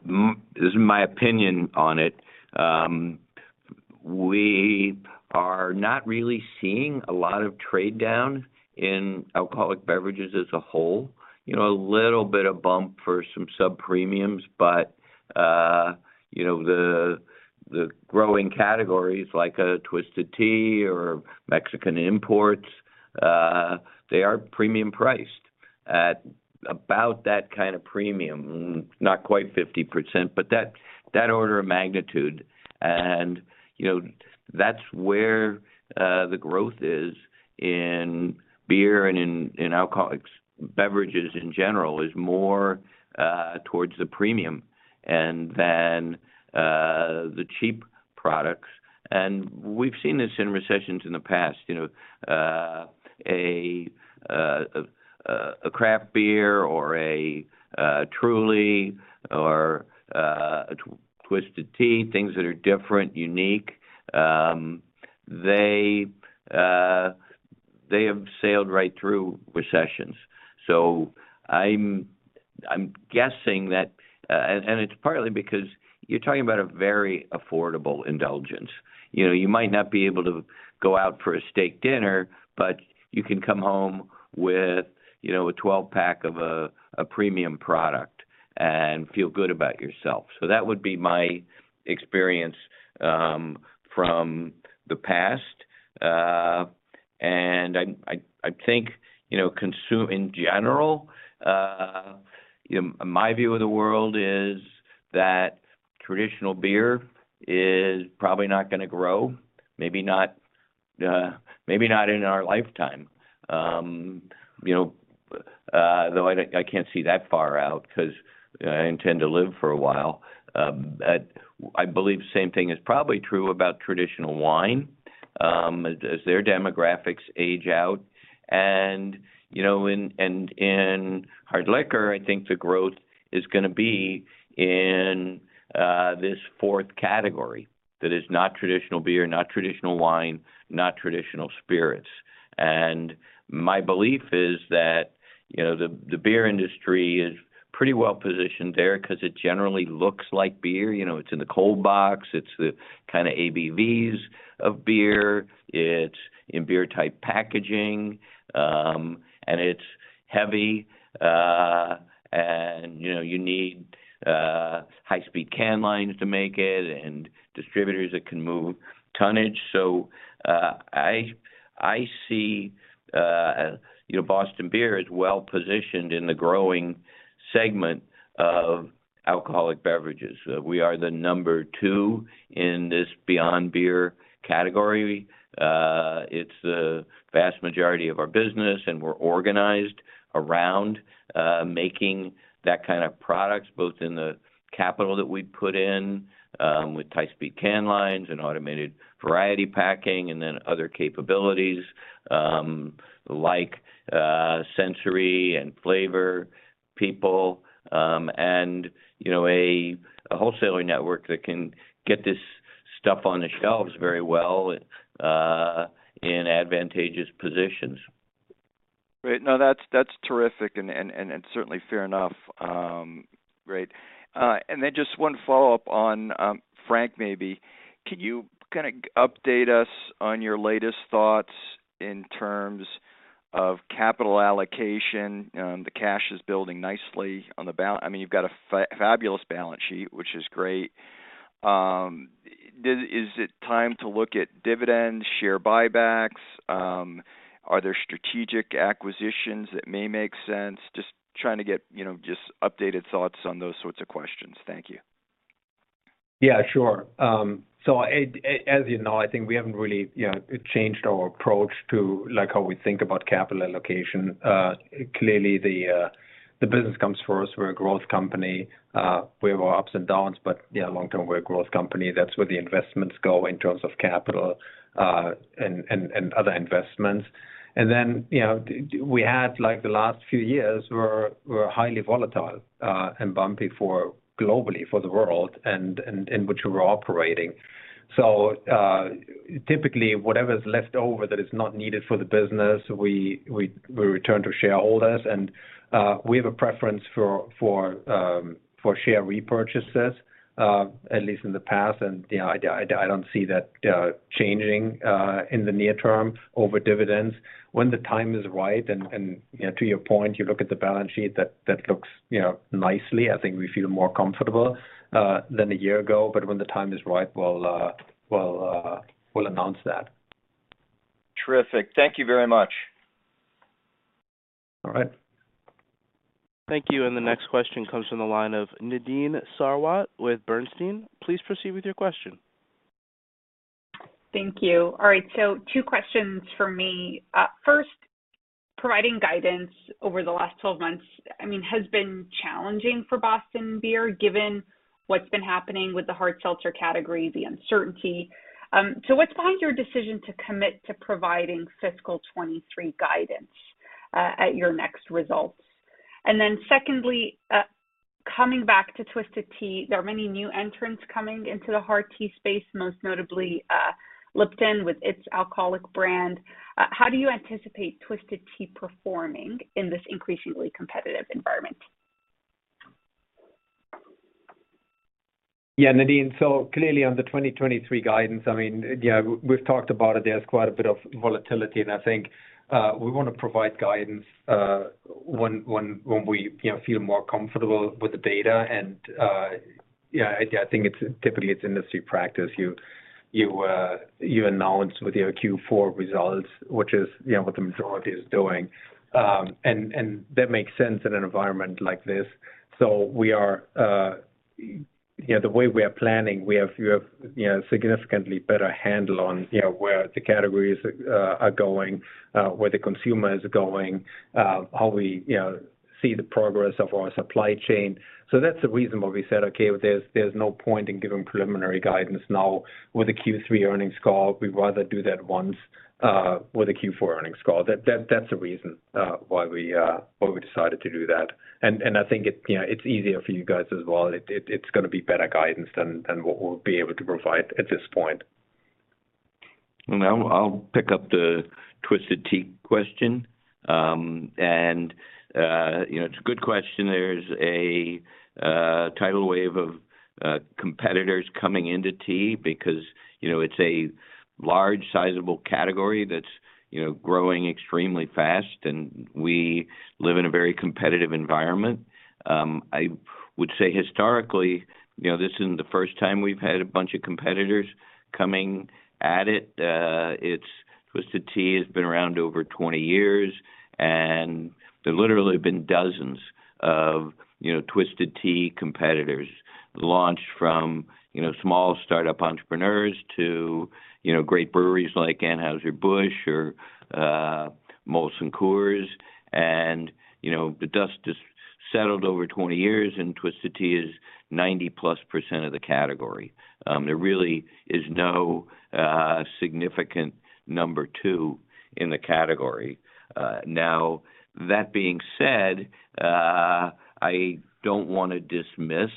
This is my opinion on it. We are not really seeing a lot of trade down in alcoholic beverages as a whole. You know, a little bit of bump for some sub-premiums, but you know, the growing categories like Twisted Tea or Mexican imports, they are premium priced at about that kind of premium, not quite 50%, but that order of magnitude. You know, that's where the growth is in beer and in and alcoholic beverages in general, is more towards the premium rather than the cheap products. We've seen this in recessions in the past. You know, a craft beer or a Truly or a Twisted Tea, things that are different, unique, they have sailed right through recessions. I'm guessing that and it's partly because you're talking about a very affordable indulgence. You know, you might not be able to go out for a steak dinner, but you can come home with, you know, a 12-pack of a premium product and feel good about yourself. That would be my experience from the past. I think, you know, consumer in general, my view of the world is that traditional beer is probably not gonna grow, maybe not in our lifetime. I can't see that far out 'cause I intend to live for a while. I believe the same thing is probably true about traditional wine, as their demographics age out. You know, in hard liquor, I think the growth is gonna be in this fourth category that is not traditional beer, not traditional wine, not traditional spirits. My belief is that, you know, the beer industry is pretty well positioned there 'cause it generally looks like beer. You know, it's in the cold box. It's the kinda ABVs of beer. It's in beer type packaging, and it's heavy, and, you know, you need high-speed can lines to make it and distributors that can move tonnage. I see, you know, Boston Beer is well positioned in the growing segment of alcoholic beverages. We are the number two in this beyond beer category. It's the vast majority of our business, and we're organized around making that kind of products, both in the capital that we put in with high-speed can lines and automated variety packing, and then other capabilities, like sensory and flavor people, and, you know, a wholesaling network that can get this stuff on the shelves very well and in advantageous positions. Great. No, that's terrific and certainly fair enough. Great. Just one follow-up on Frank maybe. Can you kind of update us on your latest thoughts in terms of capital allocation? The cash is building nicely. I mean, you've got a fabulous balance sheet, which is great. Is it time to look at dividends, share buybacks? Are there strategic acquisitions that may make sense? Just trying to get, you know, just updated thoughts on those sorts of questions. Thank you. Yeah, sure. As you know, I think we haven't really, you know, changed our approach to, like, how we think about capital allocation. Clearly the business comes first. We're a growth company. We have our ups and downs, but yeah, long term, we're a growth company. That's where the investments go in terms of capital and other investments. Then, you know, we had, like, the last few years were highly volatile and bumpy globally for the world and in which we're operating. Typically, whatever's left over that is not needed for the business, we return to shareholders. We have a preference for share repurchases, at least in the past. You know, I don't see that changing in the near term over dividends. When the time is right, you know, to your point, you look at the balance sheet that looks, you know, nicely. I think we feel more comfortable than a year ago. When the time is right, we'll announce that. Terrific. Thank you very much. All right. Thank you. The next question comes from the line of Nadine Sarwat with Bernstein. Please proceed with your question. Thank you. All right, two questions for me. First, providing guidance over the last 12 months, I mean, has been challenging for Boston Beer, given what's been happening with the hard seltzer category, the uncertainty. What's behind your decision to commit to providing fiscal 2023 guidance at your next results? Secondly, coming back to Twisted Tea, there are many new entrants coming into the hard tea space, most notably Lipton with its alcoholic brand. How do you anticipate Twisted Tea performing in this increasingly competitive environment? Yeah, Nadine, so clearly on the 2023 guidance, I mean, yeah, we've talked about it. There's quite a bit of volatility, and I think we wanna provide guidance when we you know feel more comfortable with the data. Yeah, I think it's typically industry practice. You announce with your Q4 results, which is you know what the majority is doing. That makes sense in an environment like this. We are you know the way we are planning, we have you know significantly better handle on you know where the categories are going where the consumer is going how we you know see the progress of our supply chain. That's the reason why we said, "Okay, there's no point in giving preliminary guidance now with the Q3 earnings call. We'd rather do that once with the Q4 earnings call." That's the reason why we decided to do that. I think it, you know, it's easier for you guys as well. It's gonna be better guidance than what we'll be able to provide at this point. I'll pick up the Twisted Tea question. You know, it's a good question. There's a tidal wave of competitors coming into tea because, you know, it's a large sizable category that's, you know, growing extremely fast, and we live in a very competitive environment. I would say historically, you know, this isn't the first time we've had a bunch of competitors coming at it. Twisted Tea has been around over 20 years, and there literally have been dozens of, you know, Twisted Tea competitors launched from, you know, small startup entrepreneurs to, you know, great breweries like Anheuser-Busch or Molson Coors. You know, the dust has settled over 20 years, and Twisted Tea is 90%+ of the category. There really is no significant number two in the category. Now, that being said, I don't wanna dismiss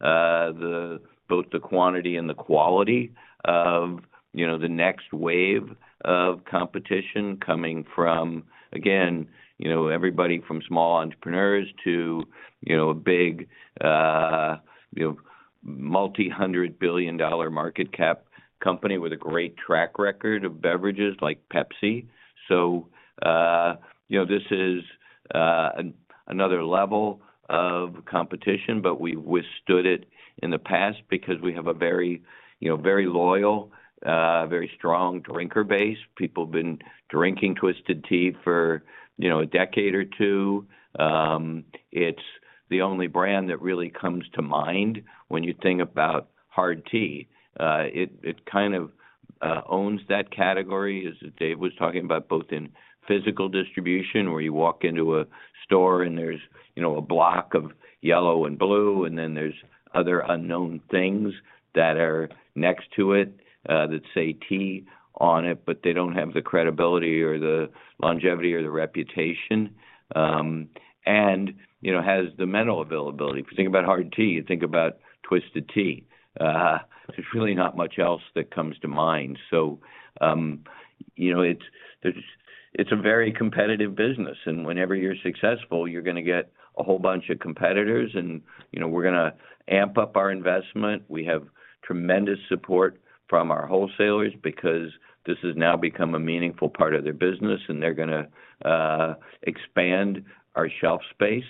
the both the quantity and the quality of, you know, the next wave of competition coming from, again, you know, everybody from small entrepreneurs to, you know, big, you know, multi-hundred billion-dollar market cap company with a great track record of beverages like Pepsi. You know, this is another level of competition, but we've withstood it in the past because we have a very, you know, very loyal, very strong drinker base. People have been drinking Twisted Tea for, you know, a decade or two. It's the only brand that really comes to mind when you think about hard tea. It kind of owns that category, as Dave was talking about, both in physical distribution, where you walk into a store and there's, you know, a block of yellow and blue, and then there's other unknown things that are next to it that say tea on it, but they don't have the credibility or the longevity or the reputation, and, you know, has the mental availability. If you think about hard tea, you think about Twisted Tea. There's really not much else that comes to mind. It's a very competitive business and whenever you're successful, you're gonna get a whole bunch of competitors and, you know, we're gonna amp up our investment. We have tremendous support from our wholesalers because this has now become a meaningful part of their business and they're gonna expand our shelf space.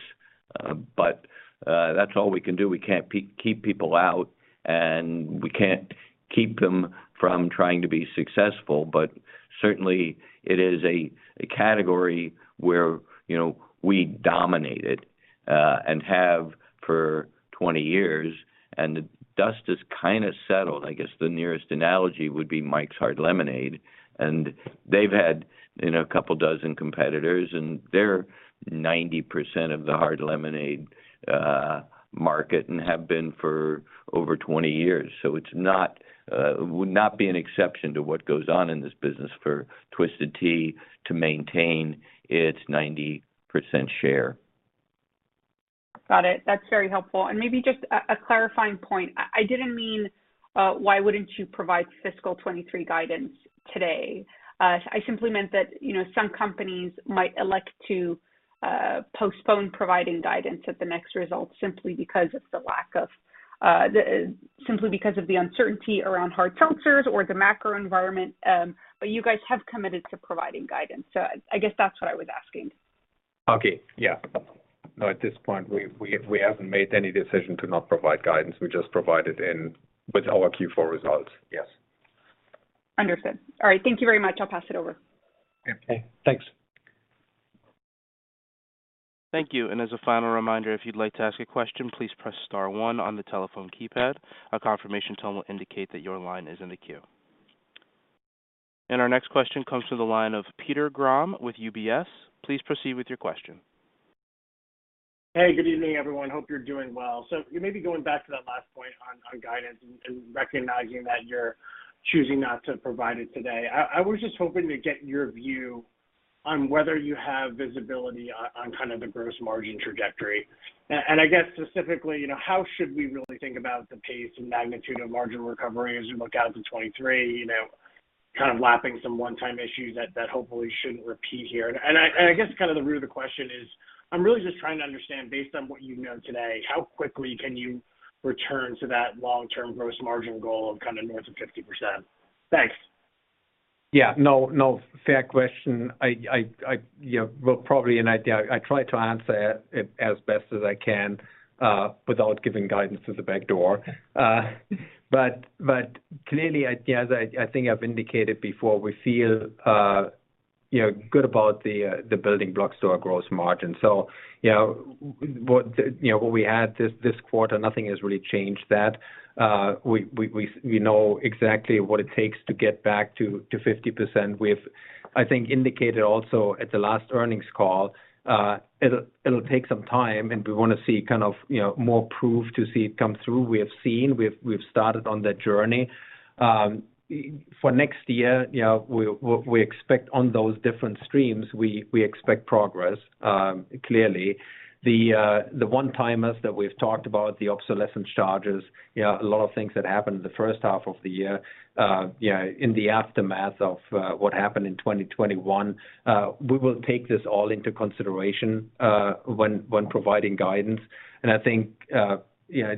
That's all we can do. We can't keep people out, and we can't keep them from trying to be successful. Certainly it is a category where, you know, we dominated, and have for 20 years, and the dust has kinda settled. I guess the nearest analogy would be Mike's Hard Lemonade. They've had, you know, a couple dozen competitors, and they're 90% of the hard lemonade market and have been for over 20 years. It's not would not be an exception to what goes on in this business for Twisted Tea to maintain its 90% share. Got it. That's very helpful. Maybe just a clarifying point. I didn't mean why wouldn't you provide fiscal 2023 guidance today. I simply meant that, you know, some companies might elect to postpone providing guidance at the next results simply because of the uncertainty around hard seltzers or the macro environment. You guys have committed to providing guidance. I guess that's what I was asking. Okay. Yeah. No, at this point, we haven't made any decision to not provide guidance. We just provided it with our Q4 results. Yes. Understood. All right. Thank you very much. I'll pass it over. Okay. Thanks. Thank you. As a final reminder, if you'd like to ask a question, please press star one on the telephone keypad. A confirmation tone will indicate that your line is in the queue. Our next question comes to the line of Peter Grom with UBS. Please proceed with your question. Hey, good evening, everyone. Hope you're doing well. Maybe going back to that last point on guidance and recognizing that you're choosing not to provide it today. I was just hoping to get your view on whether you have visibility on kind of the gross margin trajectory. And I guess specifically, you know, how should we really think about the pace and magnitude of margin recovery as we look out to 2023, you know, kind of lapping some one-time issues that hopefully shouldn't repeat here. And I guess kind of the root of the question is, I'm really just trying to understand, based on what you know today, how quickly can you return to that long-term gross margin goal of kind of north of 50%? Thanks. Yeah. No, no. Fair question. I you know, well, probably an idea. I'll try to answer it as best as I can without giving guidance through the back door. But clearly, I guess, I think I've indicated before, we feel you know good about the building blocks to our gross margin. So you know what you know what we had this quarter, nothing has really changed that. We know exactly what it takes to get back to 50%. We've I think indicated also at the last earnings call, it'll take some time and we wanna see kind of you know more proof to see it come through. We've started on that journey. For next year, you know, we expect on those different streams, we expect progress, clearly. The one-timers that we've talked about, the obsolescence charges, you know, a lot of things that happened in the H1 of the year, you know, in the aftermath of what happened in 2021, we will take this all into consideration when providing guidance. I think, you know,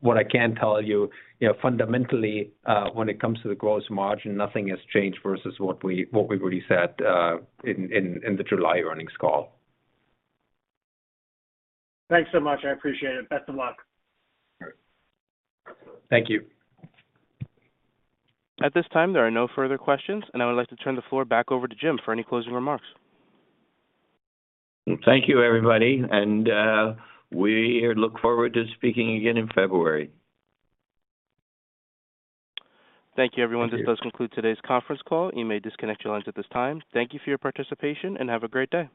what I can tell you know, fundamentally, when it comes to the gross margin, nothing has changed versus what we've already said in the July earnings call. Thanks so much. I appreciate it. Best of luck. Thank you. At this time, there are no further questions, and I would like to turn the floor back over to Jim for any closing remarks. Thank you, everybody. We look forward to speaking again in February. Thank you, everyone. This does conclude today's conference call. You may disconnect your lines at this time. Thank you for your participation, and have a great day.